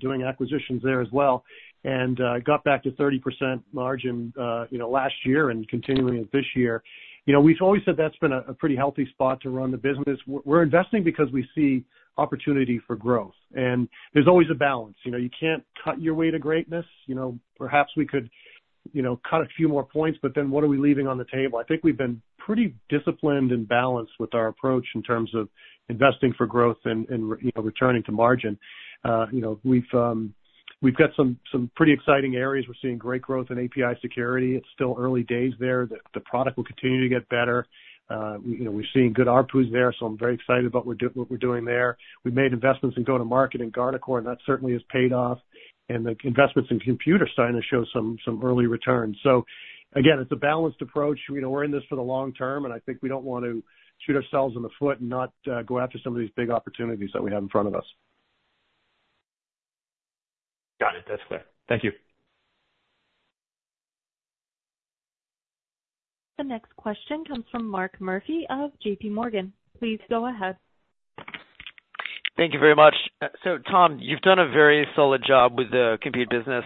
doing acquisitions there as well, and got back to 30% margin, you know, last year and continuing this year. You know, we've always said that's been a pretty healthy spot to run the business. We're investing because we see opportunity for growth, and there's always a balance. You know, you can't cut your way to greatness. You know, perhaps we could, you know, cut a few more points, but then what are we leaving on the table? I think we've been pretty disciplined and balanced with our approach in terms of investing for growth and, you know, returning to margin. You know, we've got some pretty exciting areas. We're seeing great growth in API Security. It's still early days there. The product will continue to get better. You know, we're seeing good ARPUs there, so I'm very excited about what we're doing there. We've made investments in go-to-market and Guardicore, and that certainly has paid off. And the investments in compute are starting to show some early returns. So again, it's a balanced approach. You know, we're in this for the long term, and I think we don't want to shoot ourselves in the foot and not go after some of these big opportunities that we have in front of us. Got it. That's clear. Thank you. The next question comes from Mark Murphy of J.P. Morgan. Please go ahead. Thank you very much. So Tom, you've done a very solid job with the Compute business,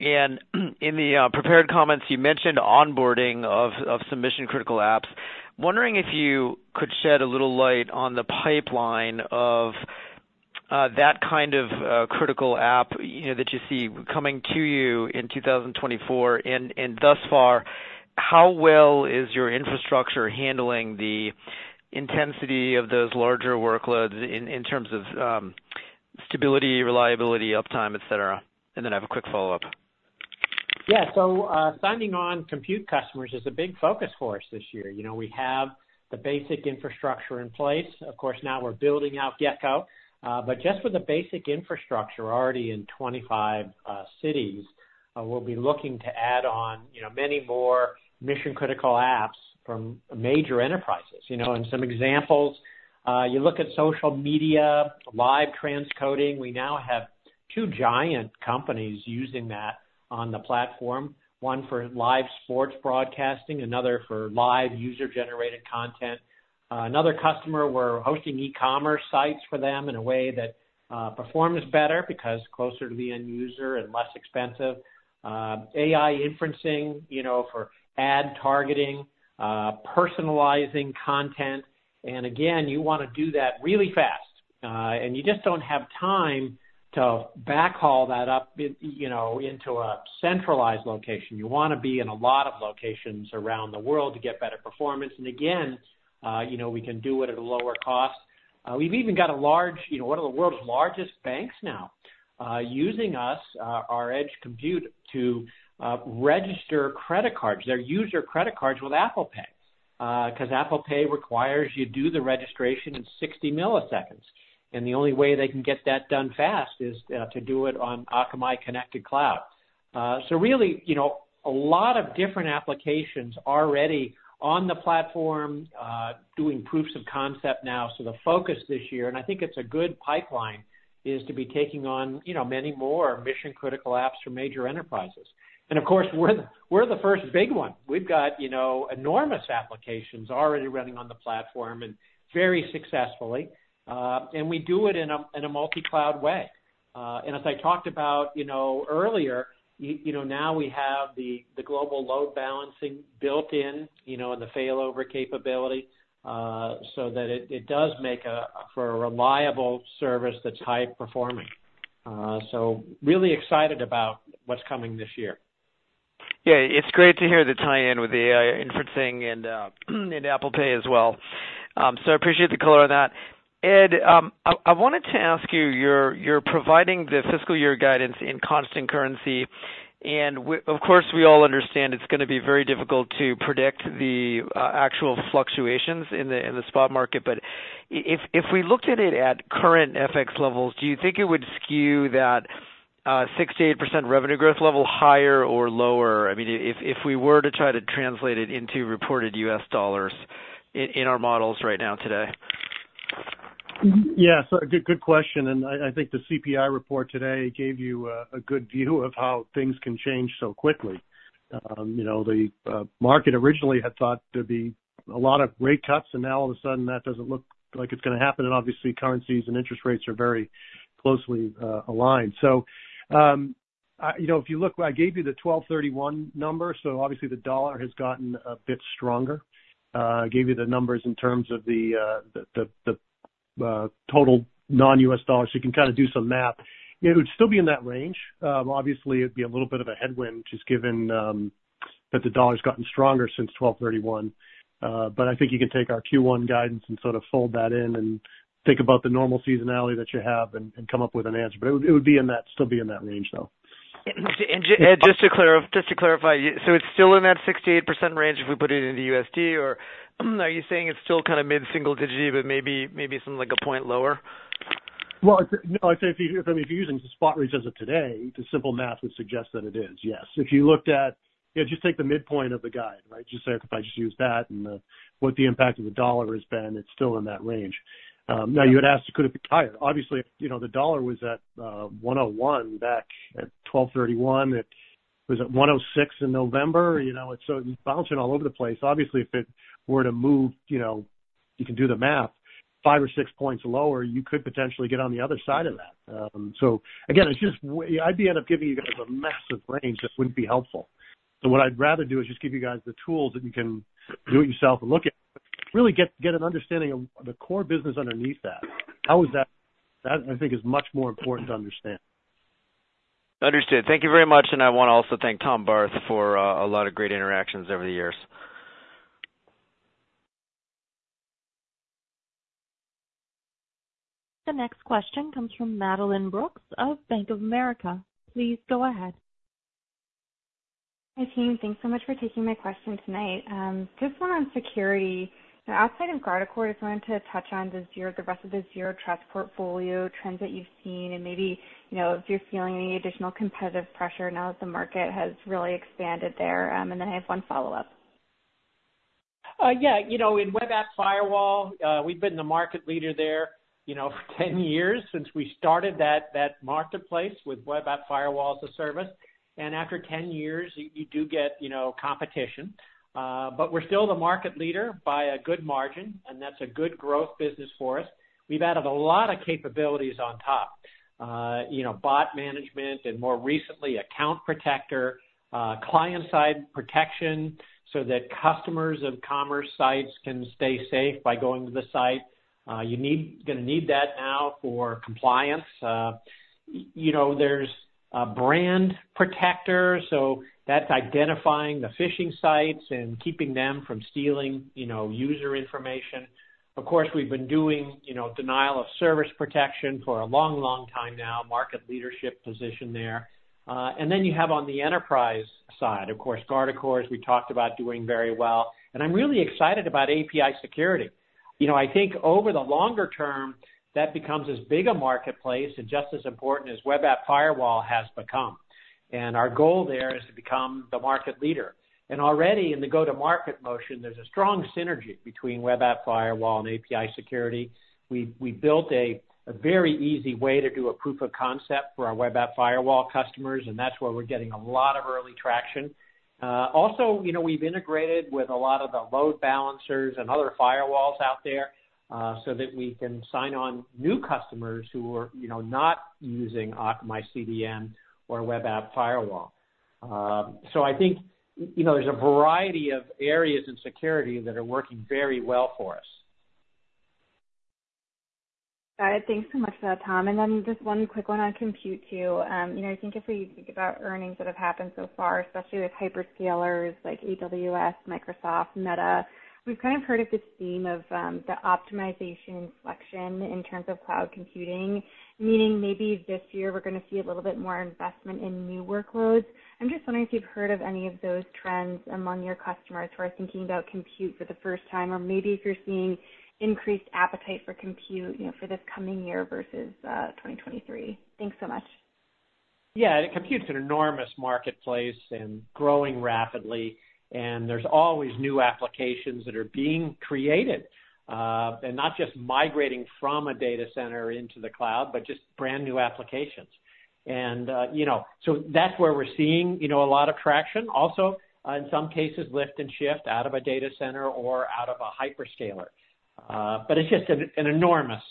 and in the prepared comments, you mentioned onboarding of some mission-critical apps. Wondering if you could shed a little light on the pipeline of that kind of critical app, you know, that you see coming to you in 2024. And thus far, how well is your infrastructure handling the intensity of those larger workloads in terms of stability, reliability, uptime, etc.? And then I have a quick follow-up. Yeah. So, signing on compute customers is a big focus for us this year. You know, we have the basic infrastructure in place. Of course, now we're building out Gecko. But just with the basic infrastructure already in 25 cities, we'll be looking to add on, you know, many more mission-critical apps from major enterprises. You know, and some examples, you look at social media, live transcoding. We now have two giant companies using that on the platform, one for live sports broadcasting, another for live user-generated content. Another customer, we're hosting e-commerce sites for them in a way that performs better because closer to the end user and less expensive. AI inferencing, you know, for ad targeting, personalizing content, and again, you wanna do that really fast, and you just don't have time to backhaul that up in, you know, into a centralized location. You wanna be in a lot of locations around the world to get better performance. And again, you know, we can do it at a lower cost. We've even got a large, you know, one of the world's largest banks now, using us, our Edge Compute to register credit cards, their user credit cards with Apple Pay. Because Apple Pay requires you do the registration in 60ms, and the only way they can get that done fast is to do it on Akamai Connected Cloud. So really, you know, a lot of different applications already on the platform, doing proofs of concept now. So the focus this year, and I think it's a good pipeline, is to be taking on, you know, many more mission-critical apps from major enterprises. And of course, we're the first big one. We've got, you know, enormous applications already running on the platform and very successfully. And we do it in a multi-cloud way. And as I talked about, you know, earlier, you know, now we have the global load balancing built in, you know, and the failover capability, so that it does make for a reliable service that's high performing. So really excited about what's coming this year. Yeah, it's great to hear the tie-in with the AI inferencing and, and Apple Pay as well. So I appreciate the color on that. Ed, I wanted to ask you, you're providing the fiscal year guidance in constant currency, and of course, we all understand it's gonna be very difficult to predict the actual fluctuations in the spot market. But if we looked at it at current FX levels, do you think it would skew that 68% revenue growth level, higher or lower? I mean, if we were to try to translate it into reported U.S. dollars in our models right now today? Yeah, so good question, and I think the CPI report today gave you a good view of how things can change so quickly. You know, the market originally had thought there'd be a lot of rate cuts, and now all of a sudden, that doesn't look like it's gonna happen, and obviously, currencies and interest rates are very closely aligned. So, you know, if you look, I gave you the 12/31 number, so obviously the dollar has gotten a bit stronger. I gave you the numbers in terms of the total non-U.S. dollars, so you can kind of do some math. It would still be in that range. Obviously, it'd be a little bit of a headwind, just given that the dollar's gotten stronger since 12/31. But I think you can take our Q1 guidance and sort of fold that in and think about the normal seasonality that you have and come up with an answer, but it would be in that, still be in that range, though. Ed, just to clarify, so it's still in that 68% range if we put it into USD, or are you saying it's still kind of mid-single digit, but maybe, maybe something like a point lower? Well, no, I'd say if you, I mean, if you're using the spot rates as of today, the simple math would suggest that it is, yes. If you looked at... Yeah, just take the midpoint of the guide, right? Just say, if I just use that and what the impact of the dollar has been, it's still in that range. Now you had asked could it be higher? Obviously, you know, the dollar was at 101 back at 12/31. It was at 106 in November. You know, it's so bouncing all over the place. Obviously, if it were to move, you know, you can do the math, 5 or 6 points lower, you could potentially get on the other side of that. So again, it's just the idea of giving you guys a massive range just wouldn't be helpful. What I'd rather do is just give you guys the tools that you can do it yourself and look at, really get an understanding of the core business underneath that. How is that? That, I think, is much more important to understand. Understood. Thank you very much, and I want to also thank Tom Barth for a lot of great interactions over the years. The next question comes from Madeline Brooks of Bank of America. Please go ahead. Hi, team. Thanks so much for taking my question tonight. Just one on security. Now, outside of Guardicore, just wanted to touch on the rest of the Zero Trust portfolio trends that you've seen, and maybe, you know, if you're feeling any additional competitive pressure now that the market has really expanded there. And then I have one follow-up.... Yeah, you know, in web app firewall, we've been the market leader there, you know, for 10 years since we started that marketplace with web app firewall as a service. After 10 years, you do get, you know, competition. But we're still the market leader by a good margin, and that's a good growth business for us. We've added a lot of capabilities on top. You know, bot management and more recently, Account Protector, Client-Side Protection, so that customers of commerce sites can stay safe by going to the site. Gonna need that now for compliance. You know, there's a Brand Protector, so that's identifying the phishing sites and keeping them from stealing, you know, user information. Of course, we've been doing, you know, denial of service protection for a long, long time now. Market leadership position there. And then you have on the enterprise side, of course, Guardicore, as we talked about, doing very well, and I'm really excited about API Security. You know, I think over the longer term, that becomes as big a marketplace and just as important as web app firewall has become. And our goal there is to become the market leader. And already in the go-to-market motion, there's a strong synergy between web app firewall and API Security. We built a very easy way to do a proof of concept for our web app firewall customers, and that's where we're getting a lot of early traction. Also, you know, we've integrated with a lot of the load balancers and other firewalls out there, so that we can sign on new customers who are, you know, not using Akamai CDN or web app firewall.wSo, I think, you know, there's a variety of areas in security that are working very well for us. Got it. Thanks so much for that, Tom. Then just one quick one on compute, too. You know, I think if we think about earnings that have happened so far, especially with hyperscalers like AWS, Microsoft, Meta, we've kind of heard of this theme of the optimization inflection in terms of cloud computing, meaning maybe this year we're gonna see a little bit more investment in new workloads. I'm just wondering if you've heard of any of those trends among your customers who are thinking about compute for the first time, or maybe if you're seeing increased appetite for compute, you know, for this coming year versus 2023. Thanks so much. Yeah, compute is an enormous marketplace and growing rapidly, and there's always new applications that are being created, and not just migrating from a data center into the cloud, but just brand-new applications. And, you know, so that's where we're seeing, you know, a lot of traction. Also, in some cases, lift and shift out of a data center or out of a hyperscaler. But it's just an enormous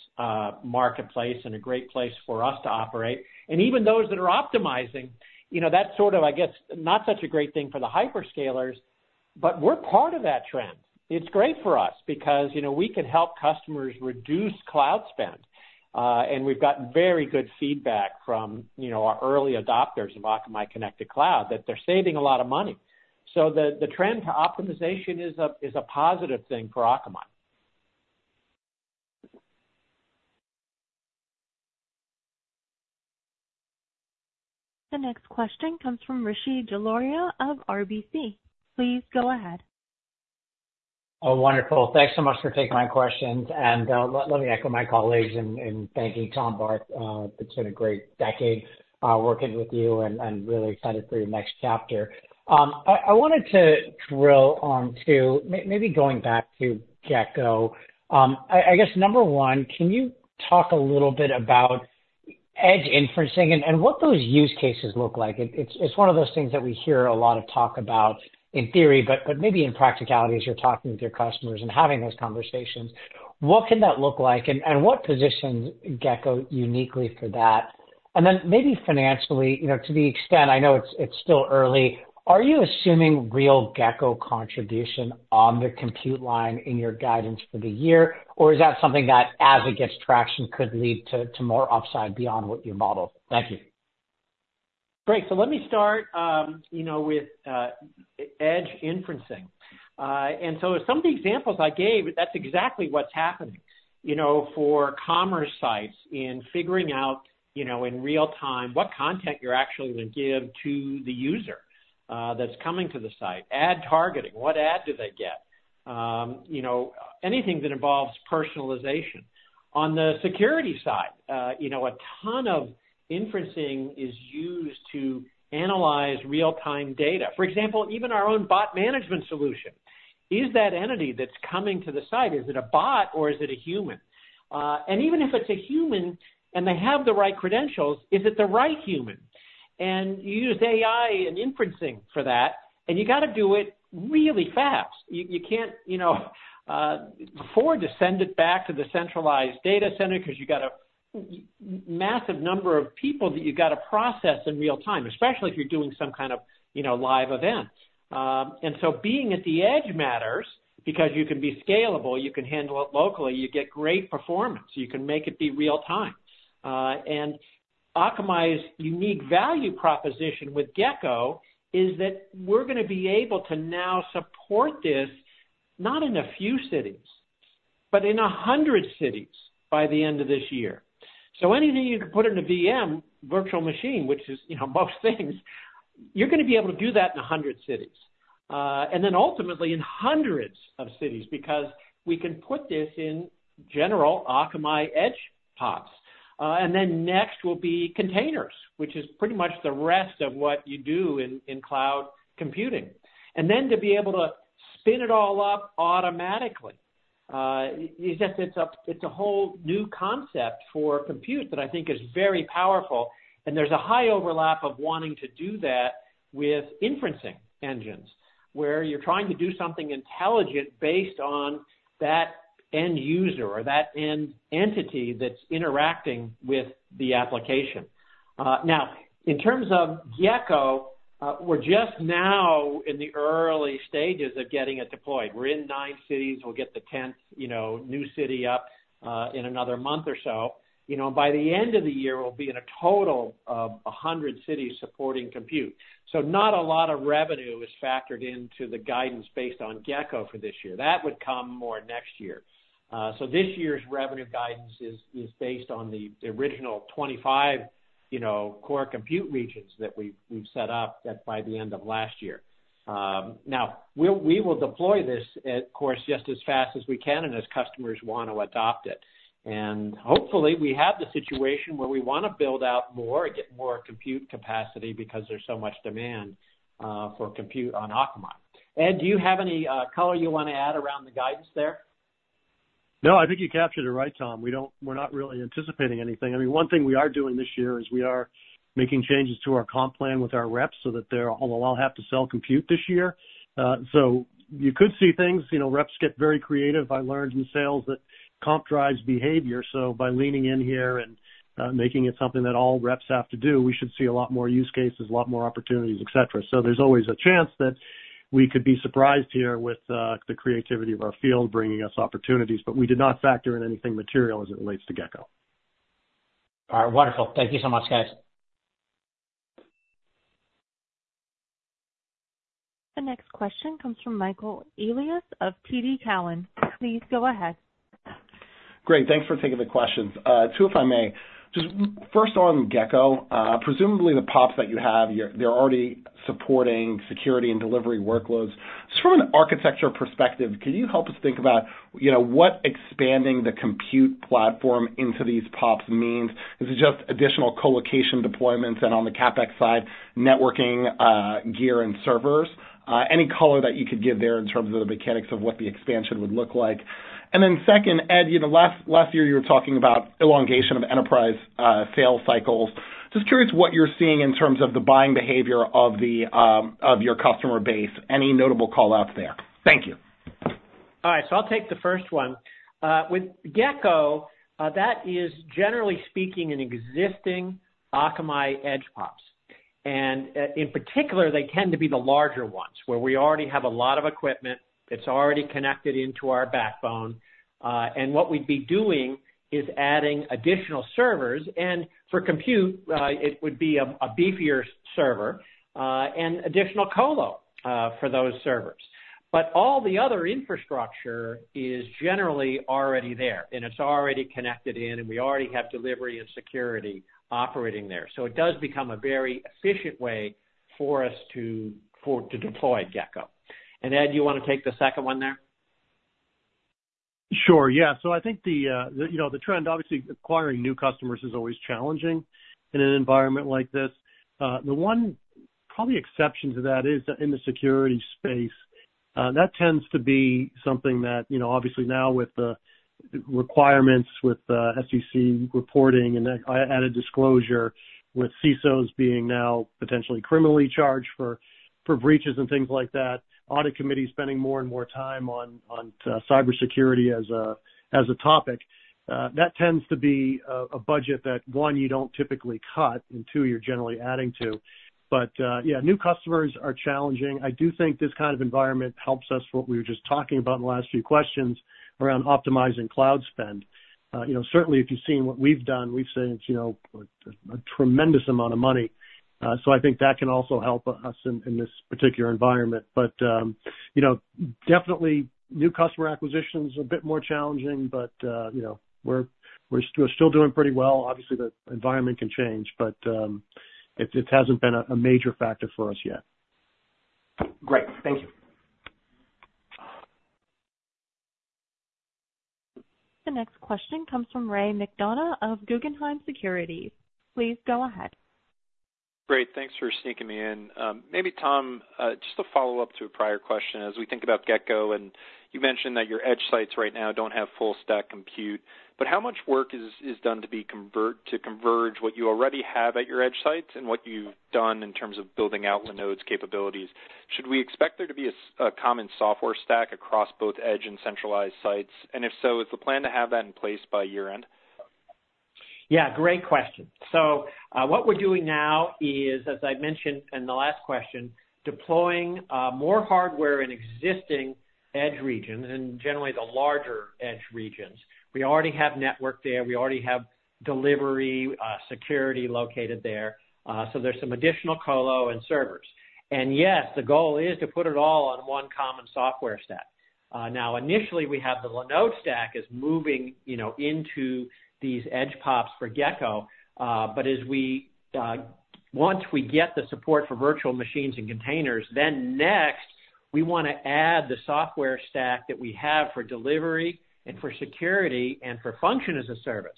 marketplace and a great place for us to operate. And even those that are optimizing, you know, that's sort of, I guess, not such a great thing for the hyperscalers, but we're part of that trend. It's great for us because, you know, we can help customers reduce cloud spend, and we've gotten very good feedback from, you know, our early adopters of Akamai Connected Cloud, that they're saving a lot of money. The trend to optimization is a positive thing for Akamai. The next question comes from Rishi Jaluria of RBC. Please go ahead. Oh, wonderful. Thanks so much for taking my questions. And let me echo my colleagues in thanking Tom Barth. It's been a great decade working with you, and I'm really excited for your next chapter. I wanted to drill on to maybe going back to Gecko. I guess, number one, can you talk a little bit about edge inferencing and what those use cases look like? It's one of those things that we hear a lot of talk about in theory, but maybe in practicality, as you're talking with your customers and having those conversations, what can that look like? And what positions Gecko uniquely for that? And then maybe financially, you know, to the extent I know it's, it's still early, are you assuming real Gecko contribution on the compute line in your guidance for the year? Or is that something that, as it gets traction, could lead to, to more upside beyond what you modeled? Thank you. Great. So let me start, you know, with edge inferencing. And so some of the examples I gave, that's exactly what's happening. You know, for commerce sites in figuring out, you know, in real time, what content you're actually going to give to the user that's coming to the site. Ad targeting, what ad do they get? You know, anything that involves personalization. On the security side, you know, a ton of inferencing is used to analyze real-time data. For example, even our own bot management solution. Is that entity that's coming to the site, is it a bot or is it a human? And even if it's a human and they have the right credentials, is it the right human? And you use AI and inferencing for that, and you got to do it really fast. You can't, you know, afford to send it back to the centralized data center because you got a massive number of people that you've got to process in real time, especially if you're doing some kind of, you know, live event. And so being at the edge matters because you can be scalable, you can handle it locally, you get great performance, you can make it be real time. And Akamai's unique value proposition with Gecko is that we're gonna be able to now support this not in a few cities, but in 100 cities by the end of this year. So anything you can put in a VM, virtual machine, which is, you know, most things, you're gonna be able to do that in 100 cities. And then ultimately in hundreds of cities, because we can put this in general Akamai Edge pods. And then next will be containers, which is pretty much the rest of what you do in cloud computing. And then to be able to spin it all up automatically. It's just a whole new concept for compute that I think is very powerful, and there's a high overlap of wanting to do that with inferencing engines, where you're trying to do something intelligent based on that end user or that end entity that's interacting with the application. Now, in terms of Gecko, we're just now in the early stages of getting it deployed. We're in nine cities. We'll get the tenth, you know, new city up in another month or so. You know, by the end of the year, we'll be in a total of 100 cities supporting compute. So not a lot of revenue is factored into the guidance based on Gecko for this year. That would come more next year. So this year's revenue guidance is based on the original 25, you know, core compute regions that we've set up by the end of last year. Now, we will deploy this, of course, just as fast as we can and as customers want to adopt it. And hopefully, we have the situation where we wanna build out more and get more compute capacity because there's so much demand for compute on Akamai. Ed, do you have any color you wanna add around the guidance there? No, I think you captured it right, Tom. We don't. We're not really anticipating anything. I mean, one thing we are doing this year is we are making changes to our comp plan with our reps so that they're, although I'll have to sell compute this year. So you could see things, you know, reps get very creative. I learned in sales that comp drives behavior. So by leaning in here and making it something that all reps have to do, we should see a lot more use cases, a lot more opportunities, et cetera. So there's always a chance that we could be surprised here with the creativity of our field, bringing us opportunities, but we did not factor in anything material as it relates to Gecko. All right. Wonderful. Thank you so much, guys. The next question comes from Michael Elias of TD Cowen. Please go ahead. Great. Thanks for taking the questions. two, if I may. Just first on Gecko, presumably the POPs that you have, they're already supporting security and delivery workloads. Just from an architecture perspective, can you help us think about, you know, what expanding the compute platform into these POPs means? Is it just additional colocation deployments and on the CapEx side, networking gear and servers? Any color that you could give there in terms of the mechanics of what the expansion would look like. And then second, Ed, you know, last year, you were talking about elongation of enterprise sales cycles. Just curious what you're seeing in terms of the buying behavior of your customer base. Any notable call out there? Thank you. All right, so I'll take the first one. With Gecko, that is, generally speaking, an existing Akamai edge POPs, and, in particular, they tend to be the larger ones, where we already have a lot of equipment that's already connected into our backbone. And what we'd be doing is adding additional servers, and for compute, it would be a beefier server, and additional colo for those servers. But all the other infrastructure is generally already there, and it's already connected in, and we already have delivery and security operating there. So it does become a very efficient way for us to deploy Gecko. And Ed, you want to take the second one there? Sure, yeah. So I think the, you know, the trend, obviously, acquiring new customers is always challenging in an environment like this. The one probably exception to that is in the security space, that tends to be something that, you know, obviously now with the requirements, with, SEC reporting and that added disclosure, with CISOs being now potentially criminally charged for, for breaches and things like that, audit committees spending more and more time on, on, cybersecurity as a, as a topic, that tends to be a, a budget that, one, you don't typically cut, and two, you're generally adding to. But, yeah, new customers are challenging. I do think this kind of environment helps us, what we were just talking about in the last few questions, around optimizing cloud spend. You know, certainly if you've seen what we've done, we've saved, you know, a tremendous amount of money. So I think that can also help us in this particular environment. But you know, definitely new customer acquisition is a bit more challenging, but you know, we're still doing pretty well. Obviously, the environment can change, but it hasn't been a major factor for us yet. Great. Thank you. The next question comes from Ray McDonough of Guggenheim Securities. Please go ahead. Great. Thanks for sneaking me in. Maybe, Tom, just to follow up to a prior question as we think about Gecko, and you mentioned that your edge sites right now don't have full stack compute, but how much work is done to converge what you already have at your edge sites and what you've done in terms of building out Linode's capabilities? Should we expect there to be a common software stack across both edge and centralized sites? And if so, is the plan to have that in place by year-end? Yeah, great question. So, what we're doing now is, as I mentioned in the last question, deploying more hardware in existing edge regions and generally the larger edge regions. We already have network there. We already have delivery, security located there, so there's some additional colo and servers. And yes, the goal is to put it all on one common software stack. Now, initially, we have the Linode stack is moving, you know, into these edge POPs for Gecko, but as we once we get the support for virtual machines and containers, then next, we wanna add the software stack that we have for delivery and for security and for function as a service.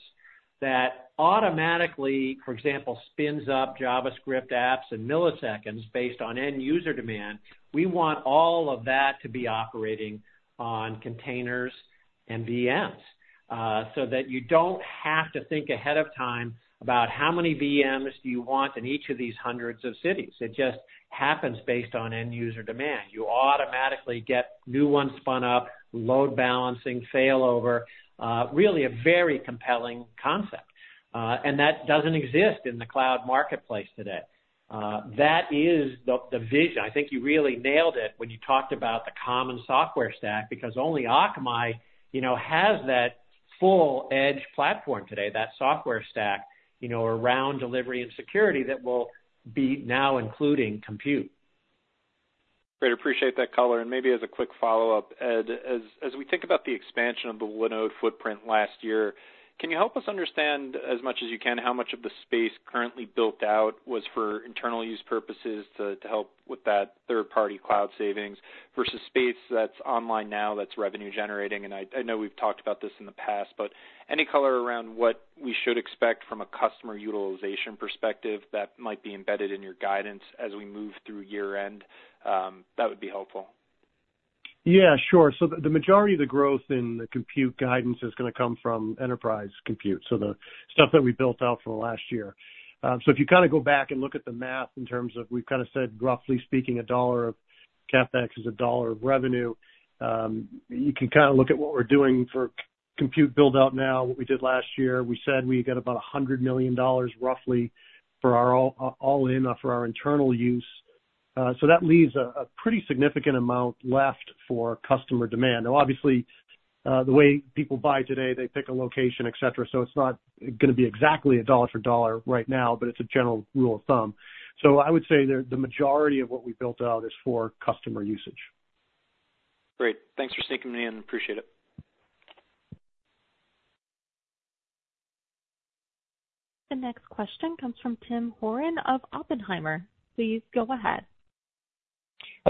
That automatically, for example, spins up JavaScript apps in milliseconds based on end user demand. We want all of that to be operating on containers and VMs so that you don't have to think ahead of time about how many VMs do you want in each of these hundreds of cities. It just happens based on end user demand. You automatically get new ones spun up, load balancing, failover, really a very compelling concept. And that doesn't exist in the cloud marketplace today. That is the vision. I think you really nailed it when you talked about the common software stack, because only Akamai, you know, has that full edge platform today, that software stack, you know, around delivery and security that will be now including compute. Great, appreciate that color, and maybe as a quick follow-up, Ed, as we think about the expansion of the Linode footprint last year, can you help us understand, as much as you can, how much of the space currently built out was for internal use purposes to help with that third-party cloud savings versus space that's online now that's revenue generating? I know we've talked about this in the past, but any color around what we should expect from a customer utilization perspective that might be embedded in your guidance as we move through year-end, that would be helpful. Yeah, sure. So the majority of the growth in the compute guidance is gonna come from enterprise compute, so the stuff that we built out for the last year. So if you kind of go back and look at the math in terms of, we've kind of said, roughly speaking, a dollar of CapEx is a dollar of revenue, you can kind of look at what we're doing for compute build-out now, what we did last year. We said we got about $100 million roughly for our all-in for our internal use. So that leaves a pretty significant amount left for customer demand. Now, obviously, the way people buy today, they pick a location, et cetera, so it's not gonna be exactly a dollar for dollar right now, but it's a general rule of thumb. So I would say the majority of what we built out is for customer usage. Great. Thanks for sneaking me in. Appreciate it. The next question comes from Tim Horan of Oppenheimer. Please go ahead.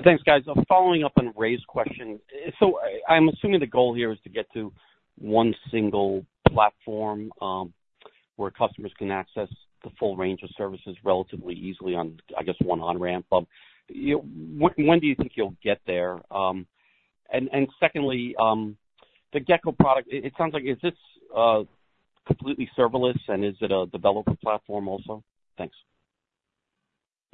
Thanks, guys. I'm following up on Ray's question. So I'm assuming the goal here is to get to one single platform, where customers can access the full range of services relatively easily on, I guess, one on-ramp. When do you think you'll get there? And secondly, the Gecko product, it sounds like is this completely serverless, and is it a developer platform also? Thanks.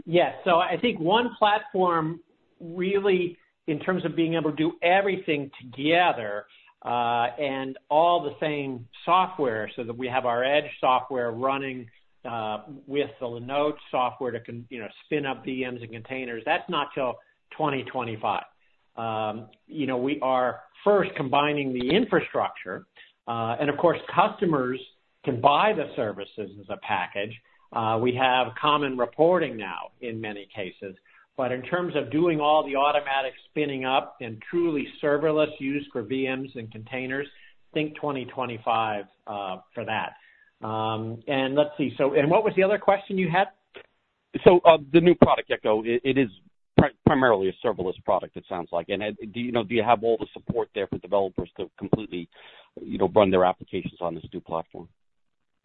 Yes. So I think one platform, really, in terms of being able to do everything together, and all the same software, so that we have our edge software running with the Linode software to you know, spin up VMs and containers, that's not till 2025. You know, we are first combining the infrastructure, and of course, customers can buy the services as a package. We have common reporting now in many cases, but in terms of doing all the automatic spinning up and truly serverless use for VMs and containers, think 2025 for that. And let's see. So, and what was the other question you had? So, the new product, Gecko, it is primarily a serverless product, it sounds like. And, Ed, do you know, do you have all the support there for developers to completely, you know, run their applications on this new platform?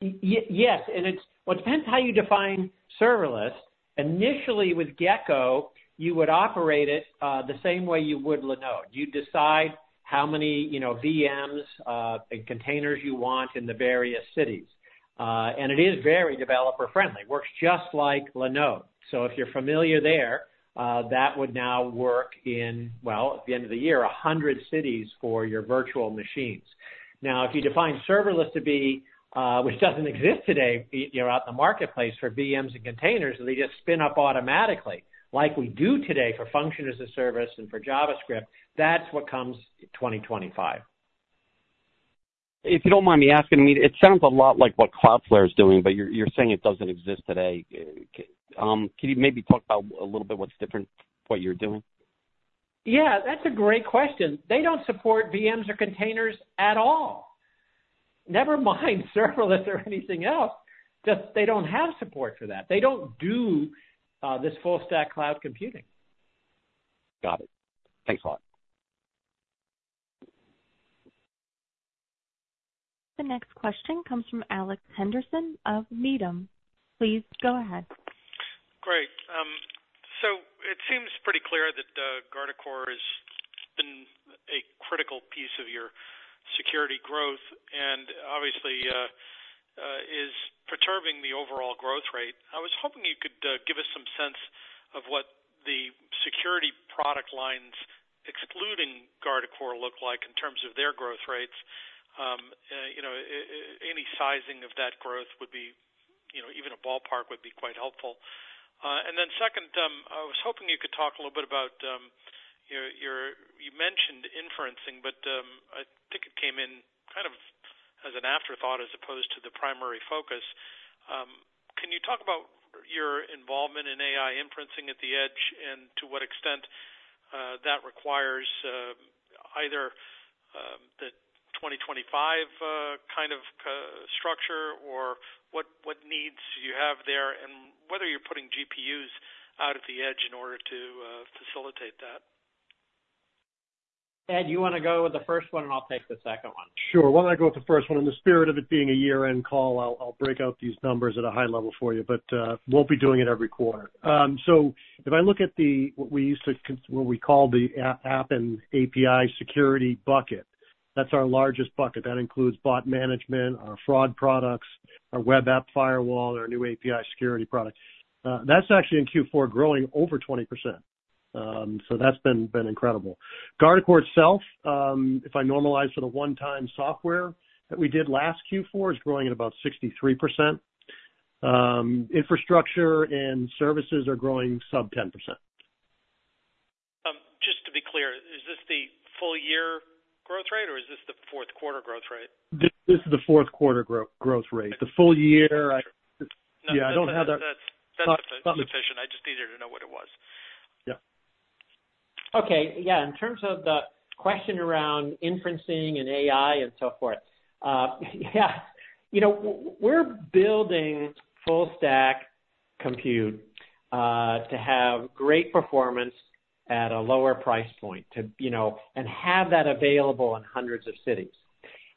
Yes, and it's. Well, it depends how you define serverless. Initially, with Gecko, you would operate it, the same way you would Linode. You decide how many, you know, VMs, and containers you want in the various cities. And it is very developer friendly, works just like Linode. So if you're familiar there, that would now work in, well, at the end of the year, 100 cities for your virtual machines. Now, if you define serverless to be, which doesn't exist today, you know, out in the marketplace for VMs and containers, they just spin up automatically, like we do today for function as a service and for JavaScript, that's what comes 2025. If you don't mind me asking, it sounds a lot like what Cloudflare is doing, but you're saying it doesn't exist today. Can you maybe talk about a little bit what's different, what you're doing? Yeah, that's a great question. They don't support VMs or containers at all, never mind serverless or anything else. Just, they don't have support for that. They don't do this full stack cloud computing. Got it. Thanks a lot. The next question comes from Alex Henderson of Needham. Please go ahead. Great. So it seems pretty clear that Guardicore has been a critical piece of your security growth and obviously is perturbing the overall growth rate. I was hoping you could give us some sense of what the security product lines, excluding Guardicore, look like in terms of their growth rates. You know, any sizing of that growth would be, you know, even a ballpark, would be quite helpful. And then second, I was hoping you could talk a little bit about your, your... You mentioned inferencing, but I think it came in kind of as an afterthought as opposed to the primary focus. Can you talk about your involvement in AI Inferencing at the edge and to what extent that requires either the 2025 kind of structure or what needs do you have there and whether you're putting GPUs out at the edge in order to facilitate that? ... Ed, you want to go with the first one, and I'll take the second one? Sure. Why don't I go with the first one? In the spirit of it being a year-end call, I'll break out these numbers at a high level for you, but won't be doing it every quarter. So if I look at the what we call the App and API Security bucket, that's our largest bucket. That includes bot management, our fraud products, our web app firewall, our new API Security product. That's actually in Q4, growing over 20%. So that's been incredible. Guardicore itself, if I normalize for the one-time software that we did last Q4, is growing at about 63%. Infrastructure and services are growing sub 10%. Just to be clear, is this the full year growth rate, or is this the fourth quarter growth rate? This is the fourth quarter growth rate. The full year, yeah, I don't have that. That's sufficient. I just needed to know what it was. Yeah. Okay. Yeah. In terms of the question around inferencing and AI and so forth, yeah, you know, we're building full stack compute to have great performance at a lower price point, to, you know, and have that available in hundreds of cities.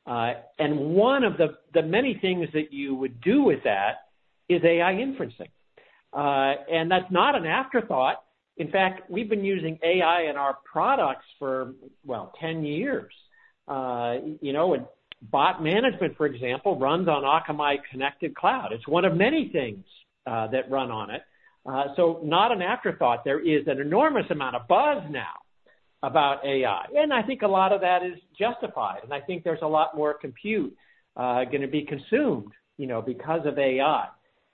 And one of the many things that you would do with that is AI inferencing. And that's not an afterthought. In fact, we've been using AI in our products for, well, 10 years. You know, and bot management, for example, runs on Akamai Connected Cloud. It's one of many things that run on it. So not an afterthought. There is an enormous amount of buzz now about AI, and I think a lot of that is justified, and I think there's a lot more compute gonna be consumed, you know, because of AI.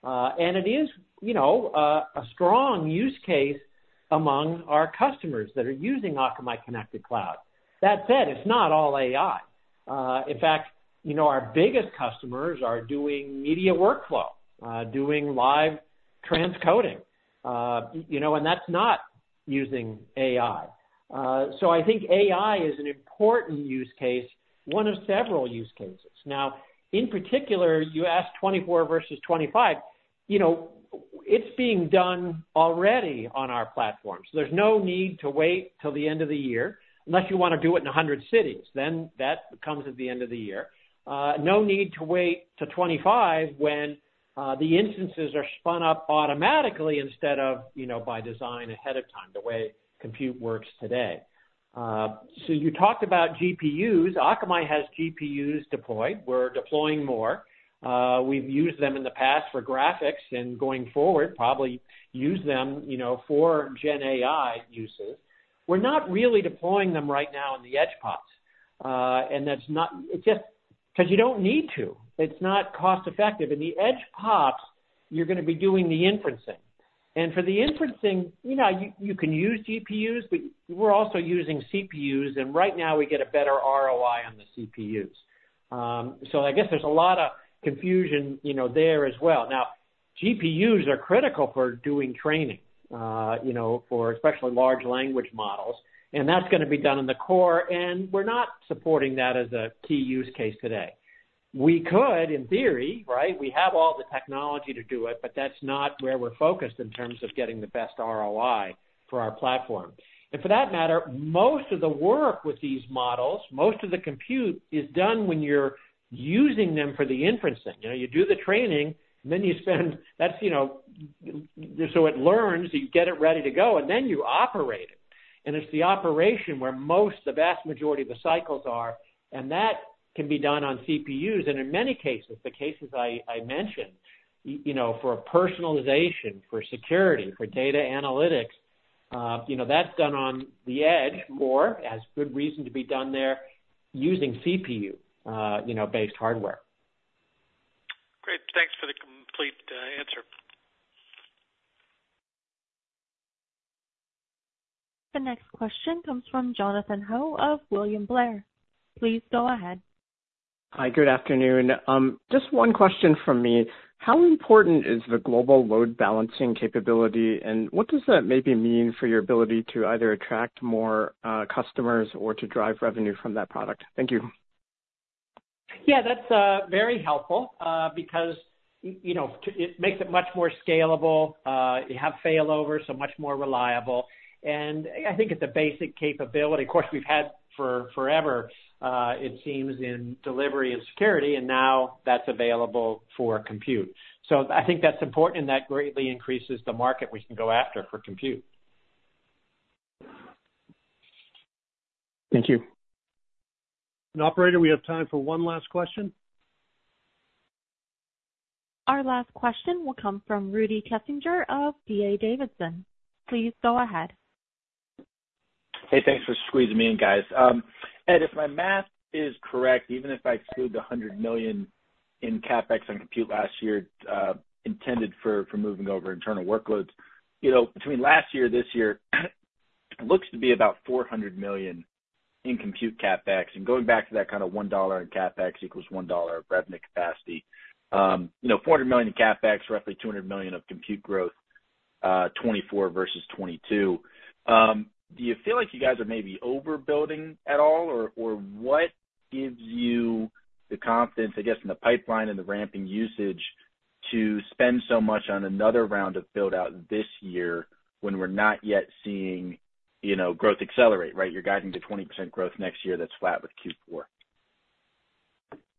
It is, you know, a strong use case among our customers that are using Akamai Connected Cloud. That said, it's not all AI. In fact, you know, our biggest customers are doing media workflow, doing live transcoding, you know, and that's not using AI. So I think AI is an important use case, one of several use cases. Now, in particular, you asked '2024 versus 2025. You know, it's being done already on our platforms. There's no need to wait till the end of the year, unless you want to do it in 100 cities, then that comes at the end of the year. No need to wait to 2025 when, the instances are spun up automatically instead of, you know, by design ahead of time, the way compute works today. So you talked about GPUs. Akamai has GPUs deployed. We're deploying more. We've used them in the past for graphics and going forward, probably use them, you know, for Gen AI uses. We're not really deploying them right now in the edge POPs. And that's not... It's just because you don't need to. It's not cost-effective. In the edge POPs, you're gonna be doing the inferencing, and for the inferencing, you know, you can use GPUs, but we're also using CPUs, and right now we get a better ROI on the CPUs. So I guess there's a lot of confusion, you know, there as well. Now, GPUs are critical for doing training, you know, for especially large language models, and that's gonna be done in the core, and we're not supporting that as a key use case today. We could, in theory, right? We have all the technology to do it, but that's not where we're focused in terms of getting the best ROI for our platform. And for that matter, most of the work with these models, most of the compute is done when you're using them for the inferencing. You know, you do the training, and then you spend, that's, you know, so it learns, you get it ready to go, and then you operate it. And it's the operation where most, the vast majority of the cycles are, and that can be done on CPUs. And in many cases, the cases I mentioned, you know, for personalization, for security, for data analytics, you know, that's done on the edge more, has good reason to be done there using CPU, you know, based hardware. Great. Thanks for the complete answer. The next question comes from Jonathan Ho of William Blair. Please go ahead. Hi, good afternoon. Just one question from me. How important is the global load balancing capability, and what does that maybe mean for your ability to either attract more customers or to drive revenue from that product? Thank you. Yeah, that's very helpful, because, you know, it makes it much more scalable. You have failover, so much more reliable, and I think it's a basic capability. Of course, we've had for forever, it seems, in delivery and security, and now that's available for compute. So I think that's important, and that greatly increases the market we can go after for compute. Thank you. Operator, we have time for one last question. Our last question will come from Rudy Kessinger of DA Davidson. Please go ahead. Hey, thanks for squeezing me in, guys. Ed, if my math is correct, even if I exclude the $100 million in CapEx on compute last year, intended for moving over internal workloads, you know, between last year and this year, it looks to be about $400 million in compute CapEx. And going back to that kind of one dollar in CapEx equals one dollar of revenue capacity, you know, $400 million in CapEx, roughly $200 million of compute growth, 2024 versus 2022. Do you feel like you guys are maybe overbuilding at all, or what gives you the confidence, I guess, in the pipeline and the ramping usage to spend so much on another round of build out this year when we're not yet seeing, you know, growth accelerate, right? You're guiding to 20% growth next year, that's flat with Q4.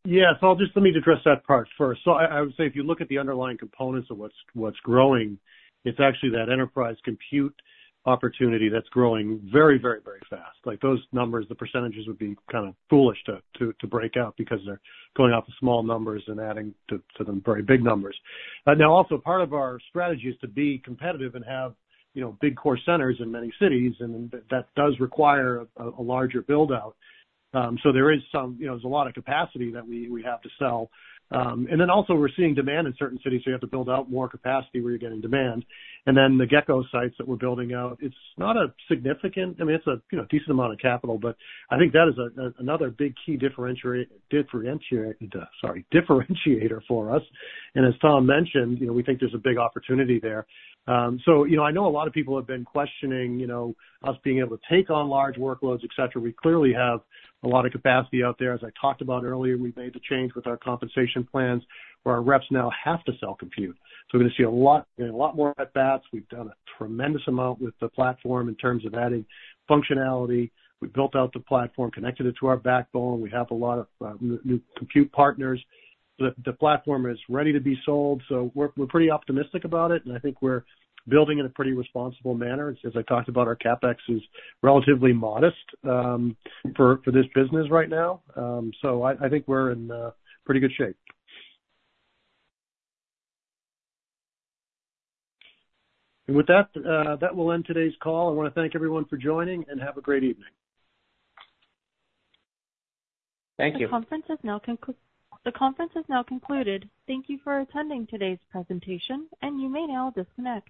Yeah. So I'll just, let me address that part first. So I, I would say, if you look at the underlying components of what's, what's growing, it's actually that enterprise compute opportunity that's growing very, very, very fast. Like, those numbers, the percentages would be kind of foolish to, to, to break out because they're going off the small numbers and adding to, to them very big numbers. Now, also part of our strategy is to be competitive and have, you know, big core centers in many cities, and that does require a, a larger build out. So there is some, you know, there's a lot of capacity that we, we have to sell. And then also we're seeing demand in certain cities, so you have to build out more capacity where you're getting demand. And then the Gecko sites that we're building out, it's not a significant, I mean, it's a, you know, decent amount of capital, but I think that is a, another big key differentiator for us. And as Tom mentioned, you know, we think there's a big opportunity there. So, you know, I know a lot of people have been questioning, you know, us being able to take on large workloads, et cetera. We clearly have a lot of capacity out there. As I talked about earlier, we've made the change with our compensation plans, where our reps now have to sell compute. So we're gonna see a lot, a lot more at bats. We've done a tremendous amount with the platform in terms of adding functionality. We've built out the platform, connected it to our backbone. We have a lot of new compute partners. The platform is ready to be sold, so we're pretty optimistic about it, and I think we're building in a pretty responsible manner. As I talked about, our CapEx is relatively modest for this business right now. So I think we're in pretty good shape. And with that, that will end today's call. I wanna thank everyone for joining, and have a great evening. Thank you. The conference is now concluded. Thank you for attending today's presentation, and you may now disconnect.